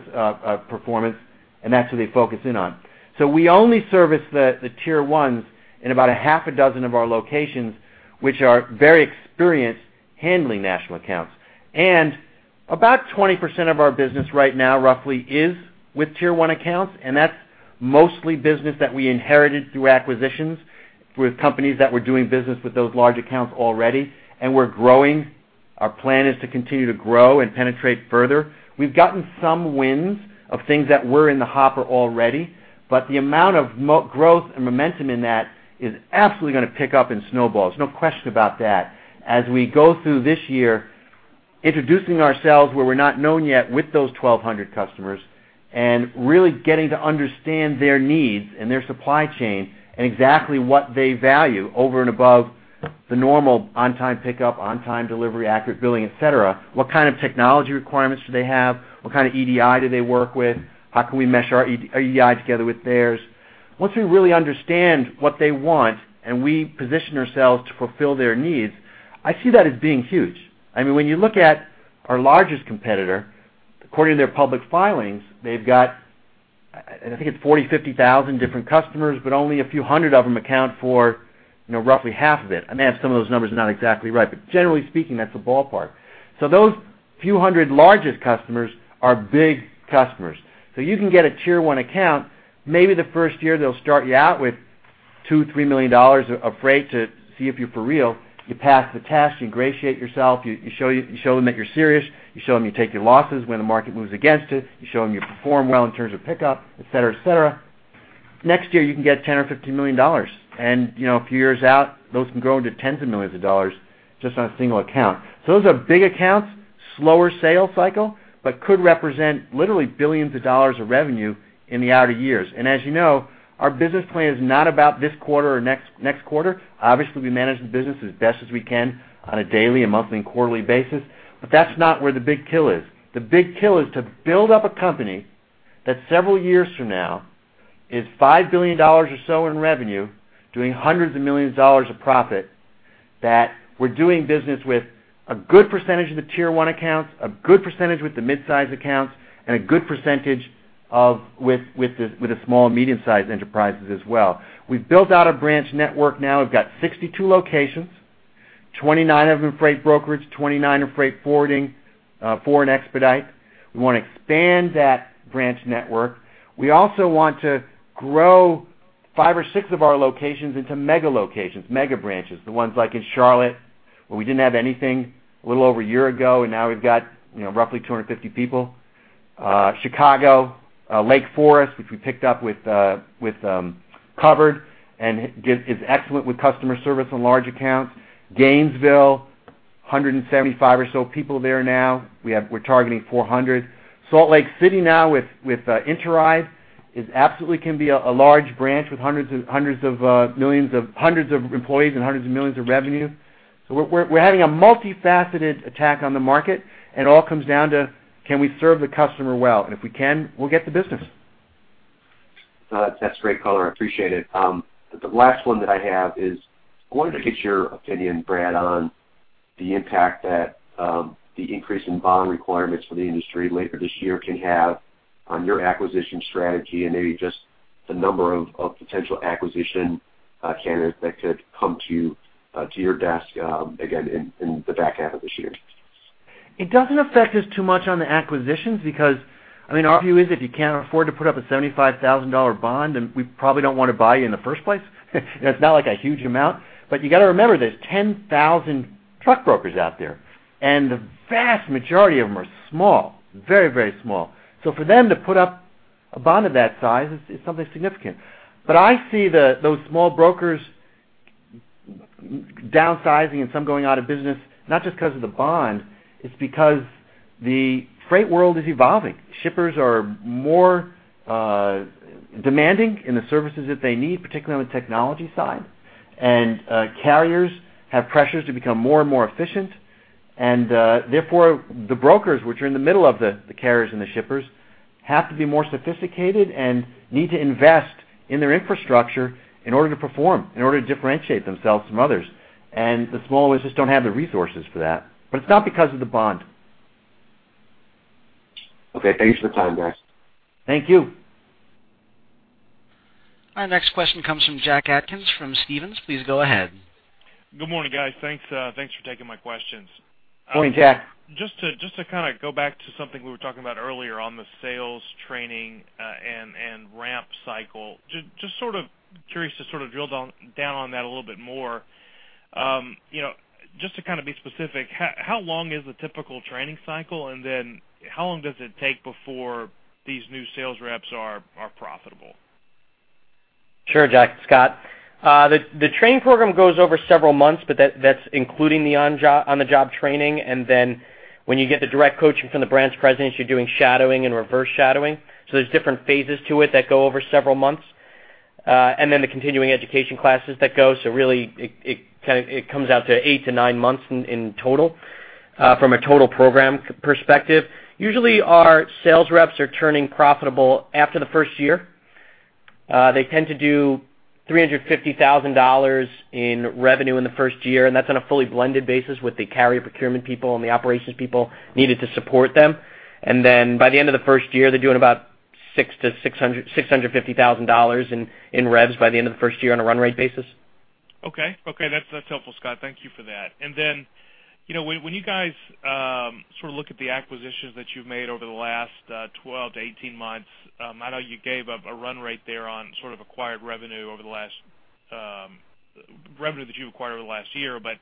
performance, and that's who they focus in on. So we only service the Tier 1 in about a half a dozen of our locations, which are very experienced handling national accounts. About 20% of our business right now, roughly, is with Tier 1 accounts, and that's mostly business that we inherited through acquisitions, with companies that were doing business with those large accounts already, and we're growing. Our plan is to continue to grow and penetrate further. We've gotten some wins of things that were in the hopper already, but the amount of growth and momentum in that is absolutely going to pick up and snowballs. No question about that. As we go through this year, introducing ourselves, where we're not known yet with those 1,200 customers, and really getting to understand their needs and their supply chain and exactly what they value over and above the normal on-time pickup, on-time delivery, accurate billing, et cetera. What kind of technology requirements do they have? What kind of EDI do they work with? How can we mesh our EDI together with theirs? Once we really understand what they want and we position ourselves to fulfill their needs, I see that as being huge. I mean, when you look at our largest competitor, according to their public filings, they've got, I think it's 40,000 customers, 50,000 different customers, but only a few hundred of them account for, you know, roughly half of it. I may have some of those numbers not exactly right, but generally speaking, that's the ballpark. So those few hundred largest customers are big customers. So you can get a Tier 1 account, maybe the first year, they'll start you out with $2 million, $3 million of freight to see if you're for real. You pass the test, you ingratiate yourself, you show, you show them that you're serious, you show them you take your losses when the market moves against it, you show them you perform well in terms of pickup, et cetera, et cetera. Next year, you can get $10 million or $15 million, and, you know, a few years out, those can grow into tens of millions of dollars just on a single account. So those are big accounts, slower sales cycle, but could represent literally billions of dollars of revenue in the outer years. And as you know, our business plan is not about this quarter or next, next quarter. Obviously, we manage the business as best as we can on a daily and monthly and quarterly basis, but that's not where the big kill is. The big kill is to build up a company that several years from now is $5 billion or so in revenue, doing hundreds of millions of dollars of profit, that we're doing business with a good percentage of the Tier 1 accounts, a good percentage with the mid-size accounts, and a good percentage of the small and medium-sized enterprises as well. We've built out a branch network now. We've got 62 locations, 29 of them are freight brokerage, 29 are freight forwarding and expedite. We want to expand that branch network. We also want to grow. Five or six of our locations into mega locations, mega branches, the ones like in Charlotte, where we didn't have anything a little over a year ago, and now we've got, you know, roughly 250 people. Chicago, Lake Forest, which we picked up with Covered, and it is excellent with customer service and large accounts. Gainesville, 175 or so people there now. We have. We're targeting 400. Salt Lake City, now with Interide, is absolutely can be a large branch with hundreds and hundreds of hundreds of employees and $100 millions of revenue. So we're having a multifaceted attack on the market, and it all comes down to, can we serve the customer well? And if we can, we'll get the business. That's great color. I appreciate it. But the last one that I have is, I wanted to get your opinion, Brad, on the impact that the increase in bond requirements for the industry later this year can have on your acquisition strategy, and maybe just the number of potential acquisition candidates that could come to your desk, again, in the back half of this year. It doesn't affect us too much on the acquisitions because, I mean, our view is, if you can't afford to put up a $75,000 bond, then we probably don't want to buy you in the first place. It's not like a huge amount, but you got to remember, there's 10,000 truck brokers out there, and the vast majority of them are small. Very, very small. So for them to put up a bond of that size is, is something significant. But I see the, those small brokers downsizing and some going out of business, not just because of the bond, it's because the freight world is evolving. Shippers are more demanding in the services that they need, particularly on the technology side. And carriers have pressures to become more and more efficient. Therefore, the brokers, which are in the middle of the, the carriers and the shippers, have to be more sophisticated and need to invest in their infrastructure in order to perform, in order to differentiate themselves from others. The smaller ones just don't have the resources for that, but it's not because of the bond. Okay, thanks for the time, Brad. Thank you. Our next question comes from Jack Atkins, from Stephens. Please go ahead. Good morning, guys. Thanks, thanks for taking my questions. Morning, Jack. Just to kind of go back to something we were talking about earlier on the sales training, and ramp cycle. Just sort of curious to sort of drill down on that a little bit more. You know, just to kind of be specific, how long is the typical training cycle, and then how long does it take before these new sales reps are profitable? Sure, Jack. It's Scott. The training program goes over several months, but that's including the on-the-job training. And then when you get the direct coaching from the branch presidents, you're doing shadowing and reverse shadowing. So there's different phases to it that go over several months, and then the continuing education classes that go. So really, it kind of comes out to eight to nine months in total, from a total program perspective. Usually, our sales reps are turning profitable after the first year. They tend to do $350,000 in revenue in the first year, and that's on a fully blended basis with the carrier procurement people and the operations people needed to support them. Then by the end of the first year, they're doing about $600,000-$650,000 in revs by the end of the first year on a run rate basis. Okay. Okay, that's, that's helpful, Scott. Thank you for that. Then, you know, when, when you guys, sort of look at the acquisitions that you've made over the last 12 months, 18 months, I know you gave up a run rate there on sort of acquired revenue over the last, revenue that you've acquired over the last year. But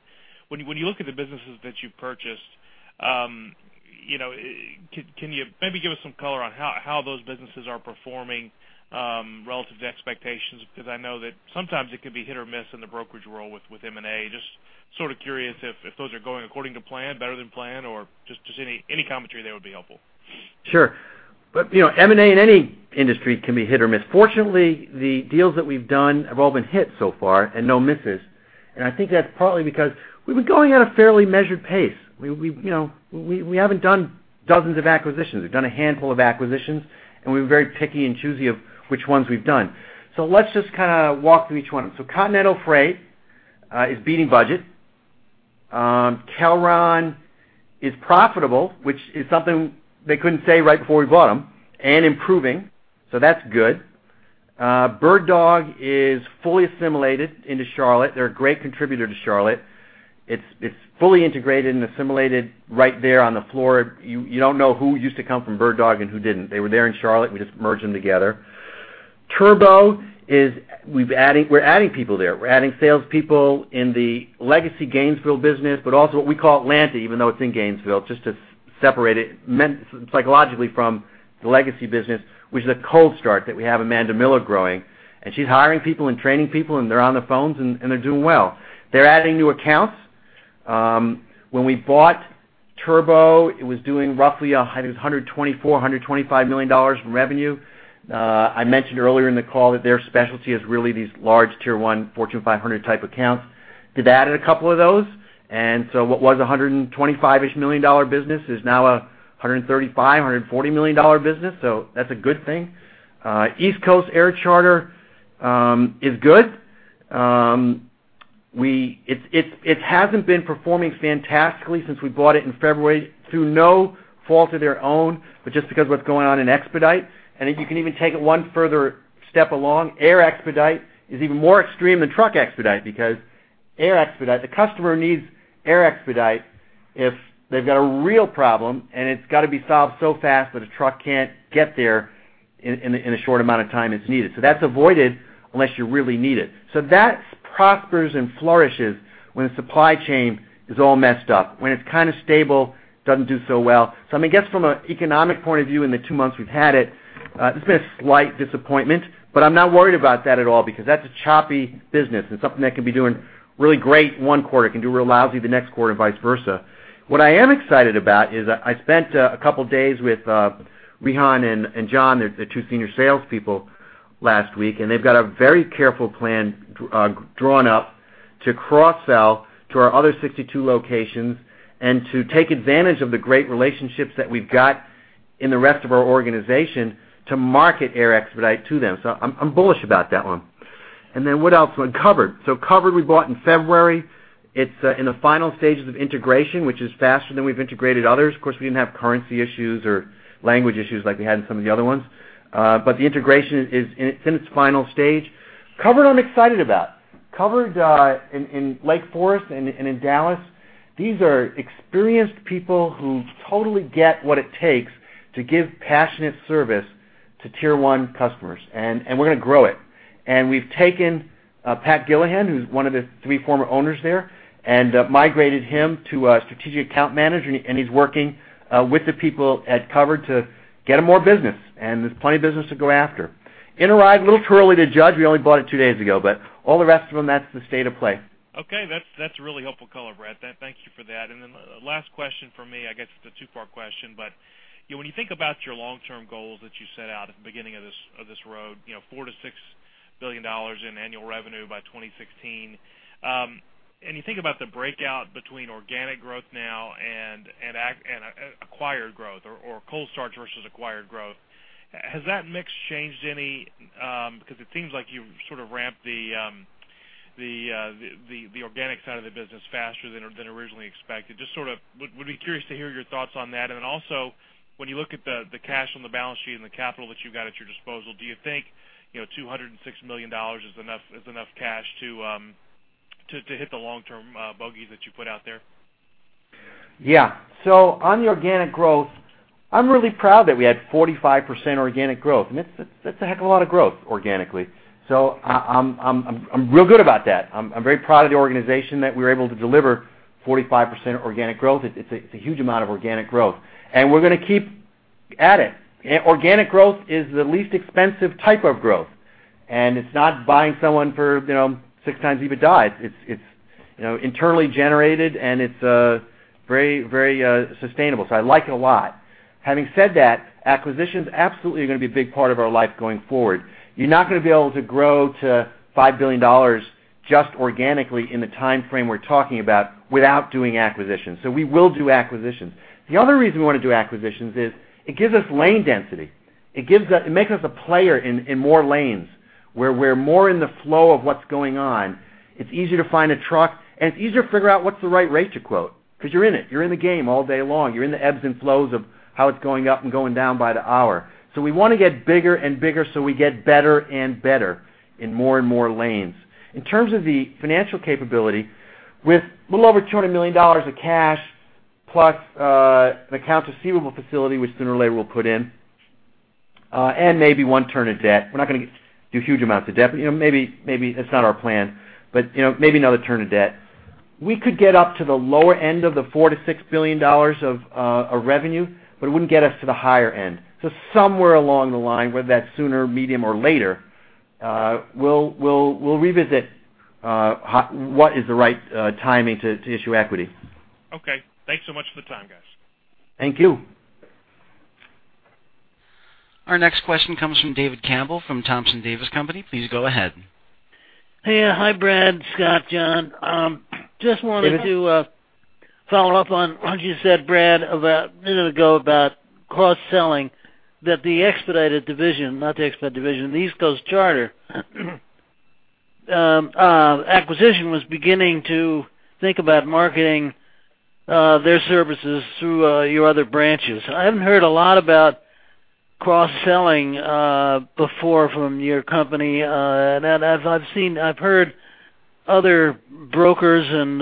when you, when you look at the businesses that you've purchased, you know, can, can you maybe give us some color on how, how those businesses are performing, relative to expectations? Because I know that sometimes it can be hit or miss in the brokerage world with, with M&A. Just sort of curious if, if those are going according to plan, better than planned, or just, just any, any commentary there would be helpful. Sure. But, you know, M&A in any industry can be hit or miss. Fortunately, the deals that we've done have all been hits so far and no misses, and I think that's partly because we've been going at a fairly measured pace. We, we, you know, we, we haven't done dozens of acquisitions. We've done a handful of acquisitions, and we've been very picky and choosy of which ones we've done. So let's just kind of walk through each one. So Continental Freight is beating budget. Kelron is profitable, which is something they couldn't say right before we bought them, and improving, so that's good. BirdDog is fully assimilated into Charlotte. They're a great contributor to Charlotte. It's, it's fully integrated and assimilated right there on the floor. You, you don't know who used to come from BirdDog and who didn't. They were there in Charlotte, we just merged them together. Turbo is we're adding people there. We're adding salespeople in the legacy Gainesville business, but also what we call Atlantic, even though it's in Gainesville, just to separate it, meant psychologically from the legacy business, which is a cold start that we have Amanda Miller growing, and she's hiring people and training people, and they're on the phones and, and they're doing well. They're adding new accounts. When we bought Turbo, it was doing roughly $124 million-$125 million in revenue. I mentioned earlier in the call that their specialty is really these large Tier 1, Fortune 500 type accounts. They added a couple of those, and so what was a $125 million-ish business is now a $135 million-$140 million business, so that's a good thing. East Coast Air Charter is good. It hasn't been performing fantastically since we bought it in February, through no fault of their own, but just because what's going on in expedite. And if you can even take it one further step along, air expedite is even more extreme than truck expedite because air expedite. The customer needs air expedite if they've got a real problem, and it's got to be solved so fast that a truck can't get there in a short amount of time it's needed. So that's avoided unless you really need it. So that prospers and flourishes when the supply chain is all messed up. When it's kind of stable, doesn't do so well. So I guess from an economic point of view, in the two months we've had it, it's been a slight disappointment, but I'm not worried about that at all because that's a choppy business and something that can be doing really great one quarter, it can do real lousy the next quarter, and vice versa. What I am excited about is I spent a couple of days with, Ryan and John, the two senior salespeople last week, and they've got a very careful plan, drawn up to cross-sell to our other 62 locations and to take advantage of the great relationships that we've got in the rest of our organization to market air expedite to them. So I'm, I'm bullish about that one. And then what else? Covered. So Covered, we bought in February. It's in the final stages of integration, which is faster than we've integrated others. Of course, we didn't have currency issues or language issues like we had in some of the other ones. But the integration is in its final stage. Covered, I'm excited about. Covered in Lake Forest and in Dallas, these are experienced people who totally get what it takes to give passionate service to Tier 1 customers, and we're going to grow it. And we've taken Pat Gillihan, who's one of the three former owners there, and migrated him to a strategic account manager, and he's working with the people at Covered to get them more business, and there's plenty of business to go after. Interide, a little too early to judge. We only bought it two days ago, but all the rest of them, that's the state of play. Okay, that's a really helpful color, Brad. Thank you for that. And then the last question from me, I guess, it's a two-part question, but you know, when you think about your long-term goals that you set out at the beginning of this road, you know, $4 billion-$6 billion in annual revenue by 2016, and you think about the breakout between organic growth now and acquired growth or cold start versus acquired growth, has that mix changed any? Because it seems like you've sort of ramped the organic side of the business faster than originally expected. Just sort of would be curious to hear your thoughts on that. Also, when you look at the cash on the balance sheet and the capital that you've got at your disposal, do you think, you know, $206 million is enough cash to hit the long-term bogeys that you put out there? Yeah. So on the organic growth, I'm really proud that we had 45% organic growth, and that's, that's a heck of a lot of growth organically. So I'm real good about that. I'm very proud of the organization that we're able to deliver 45% organic growth. It's a huge amount of organic growth, and we're going to keep at it. Organic growth is the least expensive type of growth, and it's not buying someone for, you know, 6x EBITDA. It's, it's, you know, internally generated, and it's very, very sustainable. So I like it a lot. Having said that, acquisitions absolutely are going to be a big part of our life going forward. You're not going to be able to grow to $5 billion just organically in the timeframe we're talking about, without doing acquisitions. So we will do acquisitions. The other reason we want to do acquisitions is it gives us lane density. It gives us. It makes us a player in, in more lanes, where we're more in the flow of what's going on. It's easier to find a truck, and it's easier to figure out what's the right rate to quote, because you're in it. You're in the game all day long. You're in the ebbs and flows of how it's going up and going down by the hour. So we want to get bigger and bigger, so we get better and better in more and more lanes. In terms of the financial capability, with a little over $200 million of cash, plus, an accounts receivable facility, which sooner or later will put in, and maybe one turn of debt. We're not going to do huge amounts of debt, but, you know, maybe, maybe that's not our plan, but, you know, maybe another turn of debt. We could get up to the lower end of the $4 billion-$6 billion of revenue, but it wouldn't get us to the higher end. So somewhere along the line, whether that's sooner, medium, or later, we'll, we'll, we'll revisit what is the right timing to issue equity. Okay. Thanks so much for the time, guys. Thank you. Our next question comes from David Campbell from Thompson Davis & Co. Please go ahead. Hey. Hi, Brad, Scott, John. Just wanted to follow up on what you said, Brad, about a minute ago, about cross-selling, that the expedited division, not the expedite division, the East Coast Air Charter acquisition, was beginning to think about marketing their services through your other branches. I haven't heard a lot about cross-selling before from your company. And as I've seen I've heard other brokers and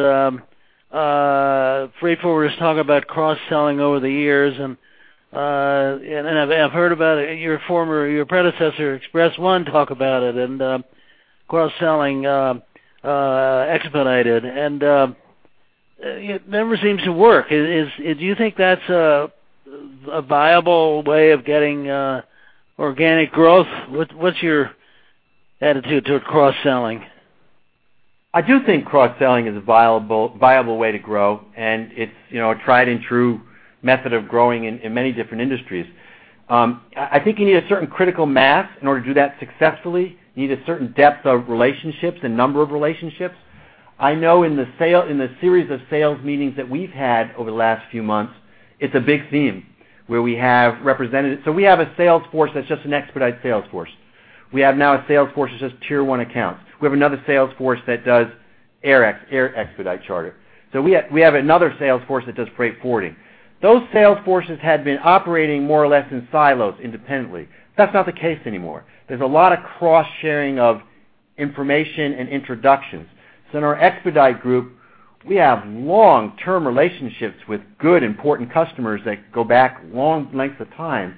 freight forwarders talk about cross-selling over the years, and I've heard about it, your former your predecessor, Express-1, talk about it, and cross-selling expedited, and it never seems to work. Do you think that's a viable way of getting organic growth? What's your attitude to cross-selling? I do think cross-selling is a viable, viable way to grow, and it's, you know, a tried-and-true method of growing in, in many different industries. I think you need a certain critical mass in order to do that successfully. You need a certain depth of relationships and number of relationships. I know in the series of sales meetings that we've had over the last few months, it's a big theme where we have representatives. So we have a sales force that's just an expedite sales force. We have now a sales force that's just Tier 1 accounts. We have another sales force that does air expedite charter. So we have another sales force that does freight forwarding. Those sales forces had been operating more or less in silos independently. That's not the case anymore. There's a lot of cross-sharing of information and introductions. So in our expedite group, we have long-term relationships with good, important customers that go back long lengths of time,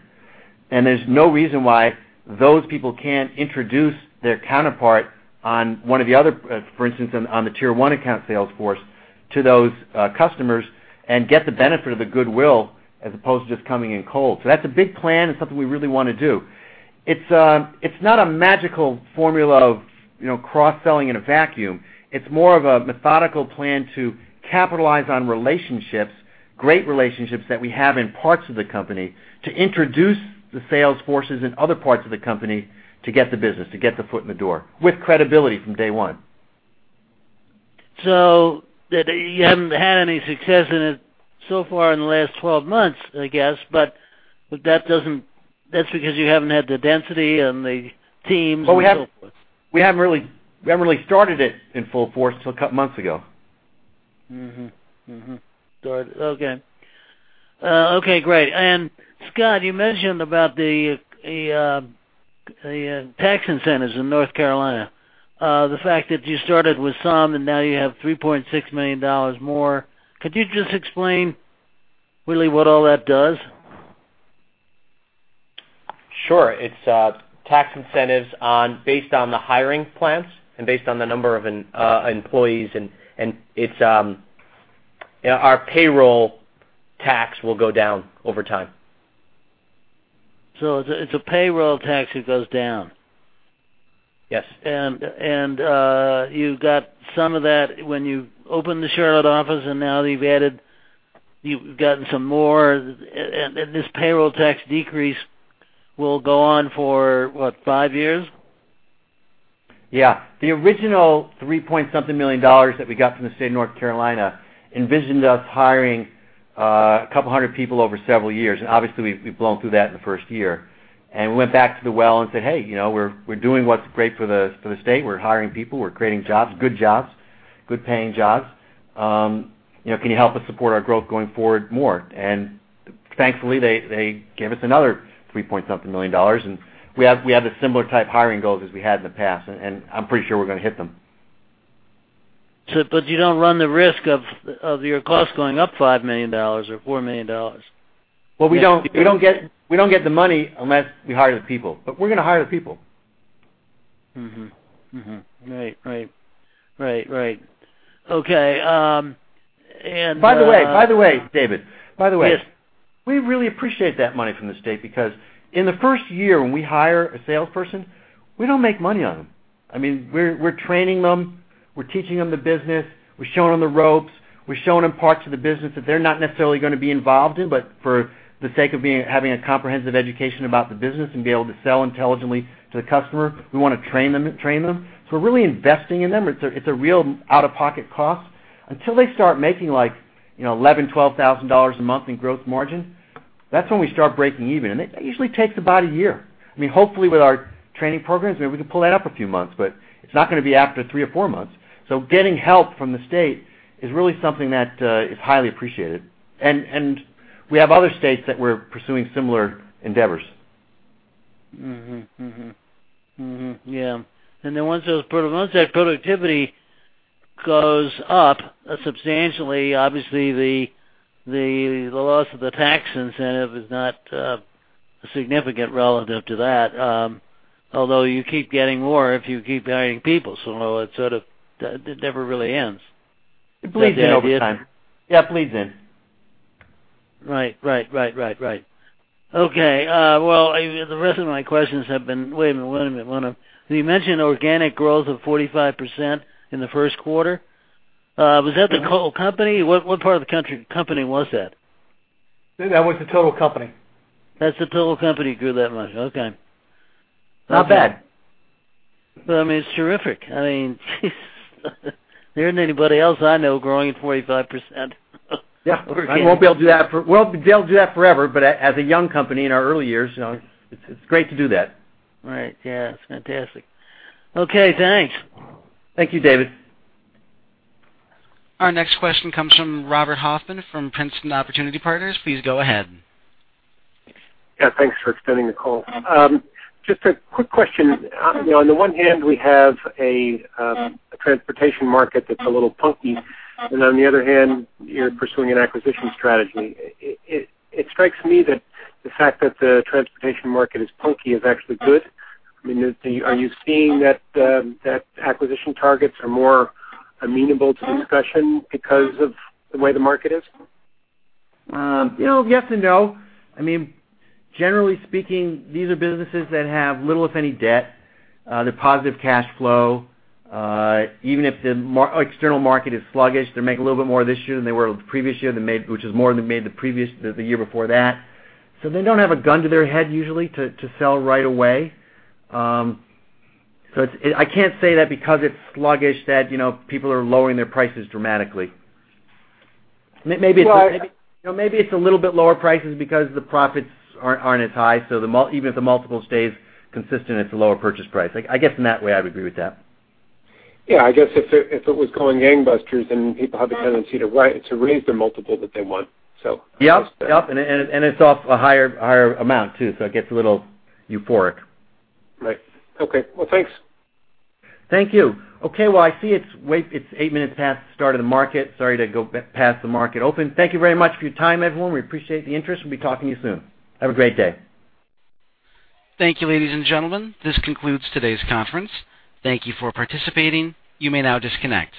and there's no reason why those people can't introduce their counterpart on one of the other, for instance, on the Tier 1 account sales force to those customers and get the benefit of the goodwill as opposed to just coming in cold. So that's a big plan and something we really wanna do. It's not a magical formula of, you know, cross-selling in a vacuum. It's more of a methodical plan to capitalize on relationships, great relationships that we have in parts of the company, to introduce the sales forces in other parts of the company to get the business, to get the foot in the door with credibility from day one. So that you haven't had any success in it so far in the last 12 months, I guess, but that doesn't. That's because you haven't had the density and the teams and so forth. But we haven't really started it in full force till a couple months ago. Mm-hmm. Mm-hmm. Got it. Okay. Okay, great. And Scott, you mentioned about the tax incentives in North Carolina, the fact that you started with some, and now you have $3.6 million more. Could you just explain really what all that does? Sure. It's tax incentives based on the hiring plans and based on the number of employees, and it's yeah, our payroll tax will go down over time. So it's a payroll tax that goes down? Yes. You got some of that when you opened the Charlotte office, and now that you've added—you've gotten some more, and this payroll tax decrease will go on for, what, five years? Yeah. The original $3 point something million dollars that we got from the state of North Carolina envisioned us hiring a couple hundred people over several years, and obviously, we've blown through that in the first year. We went back to the well and said, "Hey, you know, we're doing what's great for the state. We're hiring people. We're creating jobs, good jobs, good-paying jobs. You know, can you help us support our growth going forward more?" Thankfully, they gave us another $3 point something million dollars, and we have the similar type hiring goals as we had in the past, and I'm pretty sure we're gonna hit them. But you don't run the risk of your costs going up $5 million or $4 million? Well, we don't get the money unless we hire the people, but we're gonna hire the people. Mm-hmm. Mm-hmm. Right. Right. Right. Right. Okay, By the way, David— Yes. We really appreciate that money from the state, because in the first year, when we hire a salesperson, we don't make money on them. I mean, we're training them, we're teaching them the business, we're showing them the ropes, we're showing them parts of the business that they're not necessarily gonna be involved in, but for the sake of being, having a comprehensive education about the business and be able to sell intelligently to the customer, we wanna train them, train them. So we're really investing in them. It's a, it's a real out-of-pocket cost. Until they start making, like, you know, $11,000-$12,000 a month in gross margin, that's when we start breaking even, and it usually takes about a year. I mean, hopefully, with our training programs, maybe we can pull that up a few months, but it's not gonna be after three or four months. So getting help from the state is really something that is highly appreciated. And we have other states that we're pursuing similar endeavors. Mm-hmm. Mm-hmm. Mm-hmm. Yeah, and then once those, once that productivity goes up substantially, obviously the loss of the tax incentive is not significant relative to that. Although you keep getting more, if you keep hiring people, so it sort of it never really ends. It bleeds in over time. Yeah, it bleeds in. Right, right, right, right, right. Okay, well, the rest of my questions have been... Wait a minute, wait a minute, hold on. You mentioned organic growth of 45% in the first quarter. Was that the total company? What, what part of the country- company was that? That was the total company. That's the total company grew that much? Okay. Not bad. I mean, it's terrific. I mean, there isn't anybody else I know growing at 45%. Yeah. We'll be able to do that forever, but as a young company in our early years, you know, it's, it's great to do that. Right. Yeah, it's fantastic. Okay, thanks. Thank you, David. Our next question comes from Robert Hoffman from Princeton Opportunity Partners. Please go ahead. Yeah, thanks for extending the call. Just a quick question. You know, on the one hand, we have a transportation market that's a little punky, and on the other hand, you're pursuing an acquisition strategy. It strikes me that the fact that the transportation market is punky is actually good. I mean, are you seeing that acquisition targets are more amenable to discussion because of the way the market is? You know, yes and no. I mean, generally speaking, these are businesses that have little, if any, debt. They're positive cash flow. Even if the external market is sluggish, they're making a little bit more this year than they were the previous year. They made, which is more than they made the previous, the year before that. So they don't have a gun to their head usually to sell right away. So it's I can't say that because it's sluggish, that, you know, people are lowering their prices dramatically. Maybe it's- Well- You know, maybe it's a little bit lower prices because the profits aren't as high, so even if the multiple stays consistent, it's a lower purchase price. I guess in that way, I would agree with that. Yeah, I guess if it was going gangbusters, then people have the tendency to raise the multiple that they want, so. Yep, yep, and, and it's off a higher, higher amount, too, so it gets a little euphoric. Right. Okay. Well, thanks. Thank you. Okay, well, I see it's eight minutes past the start of the market. Sorry to go past the market open. Thank you very much for your time, everyone. We appreciate the interest. We'll be talking to you soon. Have a great day. Thank you, ladies and gentlemen. This concludes today's conference. Thank you for participating. You may now disconnect.